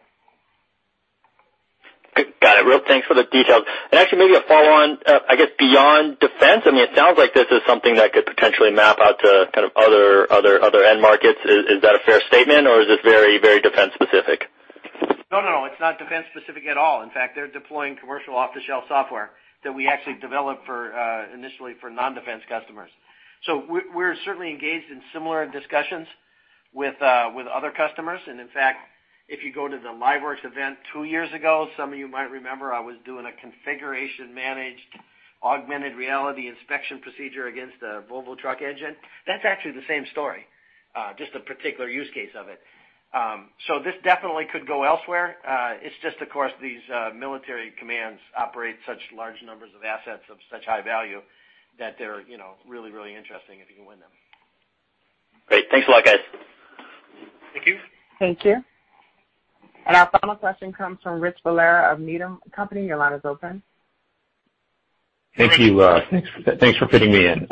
[SPEAKER 12] Got it. Real thanks for the details. Actually, maybe a follow-on, I guess, beyond defense, it sounds like this is something that could potentially map out to other end markets. Is that a fair statement, or is this very defense specific?
[SPEAKER 3] No, it's not defense-specific at all. In fact, they're deploying commercial off-the-shelf software that we actually developed initially for non-defense customers. We're certainly engaged in similar discussions with other customers. In fact, if you went to the LiveWorx event two years ago, some of you might remember I was doing a configuration-managed, augmented reality inspection procedure against a Volvo truck engine. That's actually the same story, just a particular use case of it. This definitely could go elsewhere. It's just, of course, these military commands operate such large numbers of assets of such high value that they're really interesting if you can win them.
[SPEAKER 12] Great. Thanks a lot, guys.
[SPEAKER 4] Thank you.
[SPEAKER 1] Thank you. Our final question comes from Rich Valera of Needham & Company. Your line is open.
[SPEAKER 13] Thank you. Thanks for fitting me in. Jim,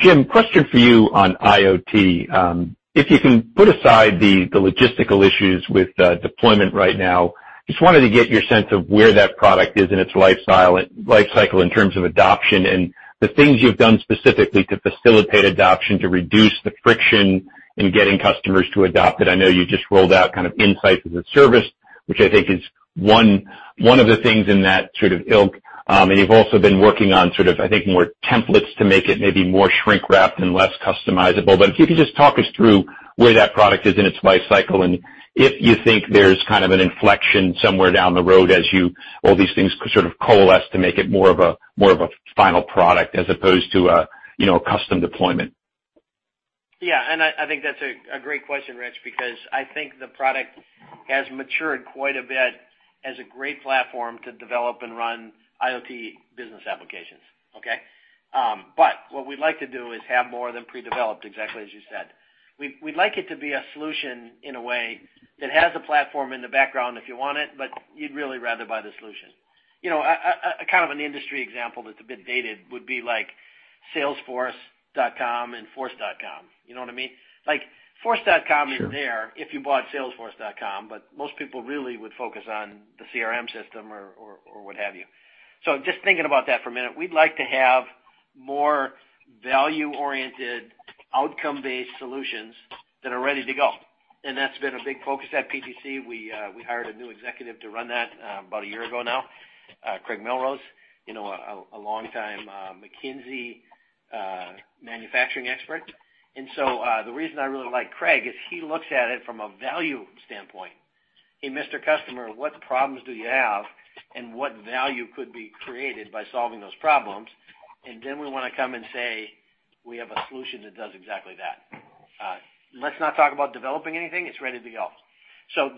[SPEAKER 13] I have a question for you on IoT. If you can put aside the logistical issues with deployment right now, I just wanted to get your sense of where that product is in its life cycle in terms of adoption and the things you've done specifically to facilitate adoption to reduce the friction in getting customers to adopt it. I know you just rolled out Factory Insights as a Service, which I think is one of the things in that sort of ilk. You've also been working on, I think, more templates to make it maybe more shrink-wrapped and less customizable. If you could just talk us through where that product is in its life cycle, and if you think there's kind of an inflection somewhere down the road as all these things sort of coalesce to make it more of a final product as opposed to a custom deployment.
[SPEAKER 3] I think that's a great question, Rich, because I think the product has matured quite a bit as a great platform to develop and run IoT business applications. Okay? What we'd like to do is have more of them pre-developed, exactly as you said. We'd like it to be a solution in a way that has the platform in the background if you want it, but you'd really rather buy the solution. A kind of an industry example that's a bit dated would be like salesforce.com and Force.com. You know what I mean? Like Force.com—
[SPEAKER 13] Sure
[SPEAKER 3] ...is there if you bought salesforce.com, but most people really would focus on the CRM system or whatever have you. Just thinking about that for a minute, we'd like to have more value-oriented, outcome-based solutions that are ready to go. That's been a big focus at PTC. We hired a new executive to run that, about a year ago now, Craig Melrose, a long-time McKinsey manufacturing expert. The reason I really like Craig is he looks at it from a value standpoint. Hey, Mr. Customer, what problems do you have, and what value could be created by solving those problems? We want to come and say, We have a solution that does exactly that. Let's not talk about developing anything. It's ready to go.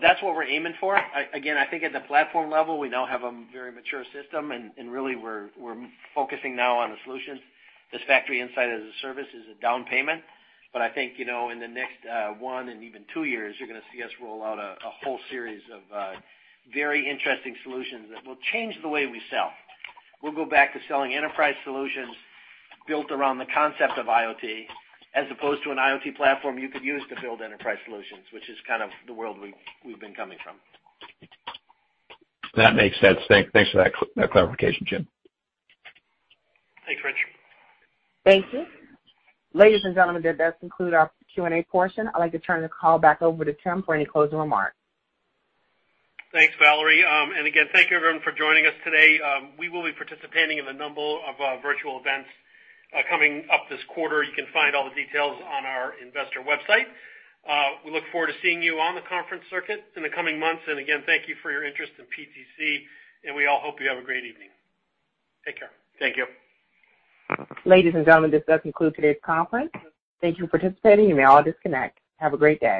[SPEAKER 3] That's what we're aiming for. I think at the platform level, we now have a very mature system, and really, we're focusing now on the solutions. This Factory Insights as a Service is a down payment. I think, in the next one and even two years, you're going to see us roll out a whole series of very interesting solutions that will change the way we sell. We'll go back to selling enterprise solutions built around the concept of IoT as opposed to an IoT platform you could use to build enterprise solutions, which is kind of the world we've been coming from.
[SPEAKER 13] That makes sense. Thanks for that clarification, Jim.
[SPEAKER 3] Thanks, Rich.
[SPEAKER 1] Thank you. Ladies and gentlemen, that does conclude our Q&A portion. I'd like to turn the call back over to Tim for any closing remarks.
[SPEAKER 2] Thanks, Valerie. Again, thank you, everyone, for joining us today. We will be participating in a number of virtual events coming up this quarter. You can find all the details on our investor website. We look forward to seeing you on the conference circuit in the coming months. Again, thank you for your interest in PTC, and we all hope you have a great evening. Take care. Thank you.
[SPEAKER 1] Ladies and gentlemen, this does conclude today's conference. Thank you for participating. You may all disconnect. Have a great day.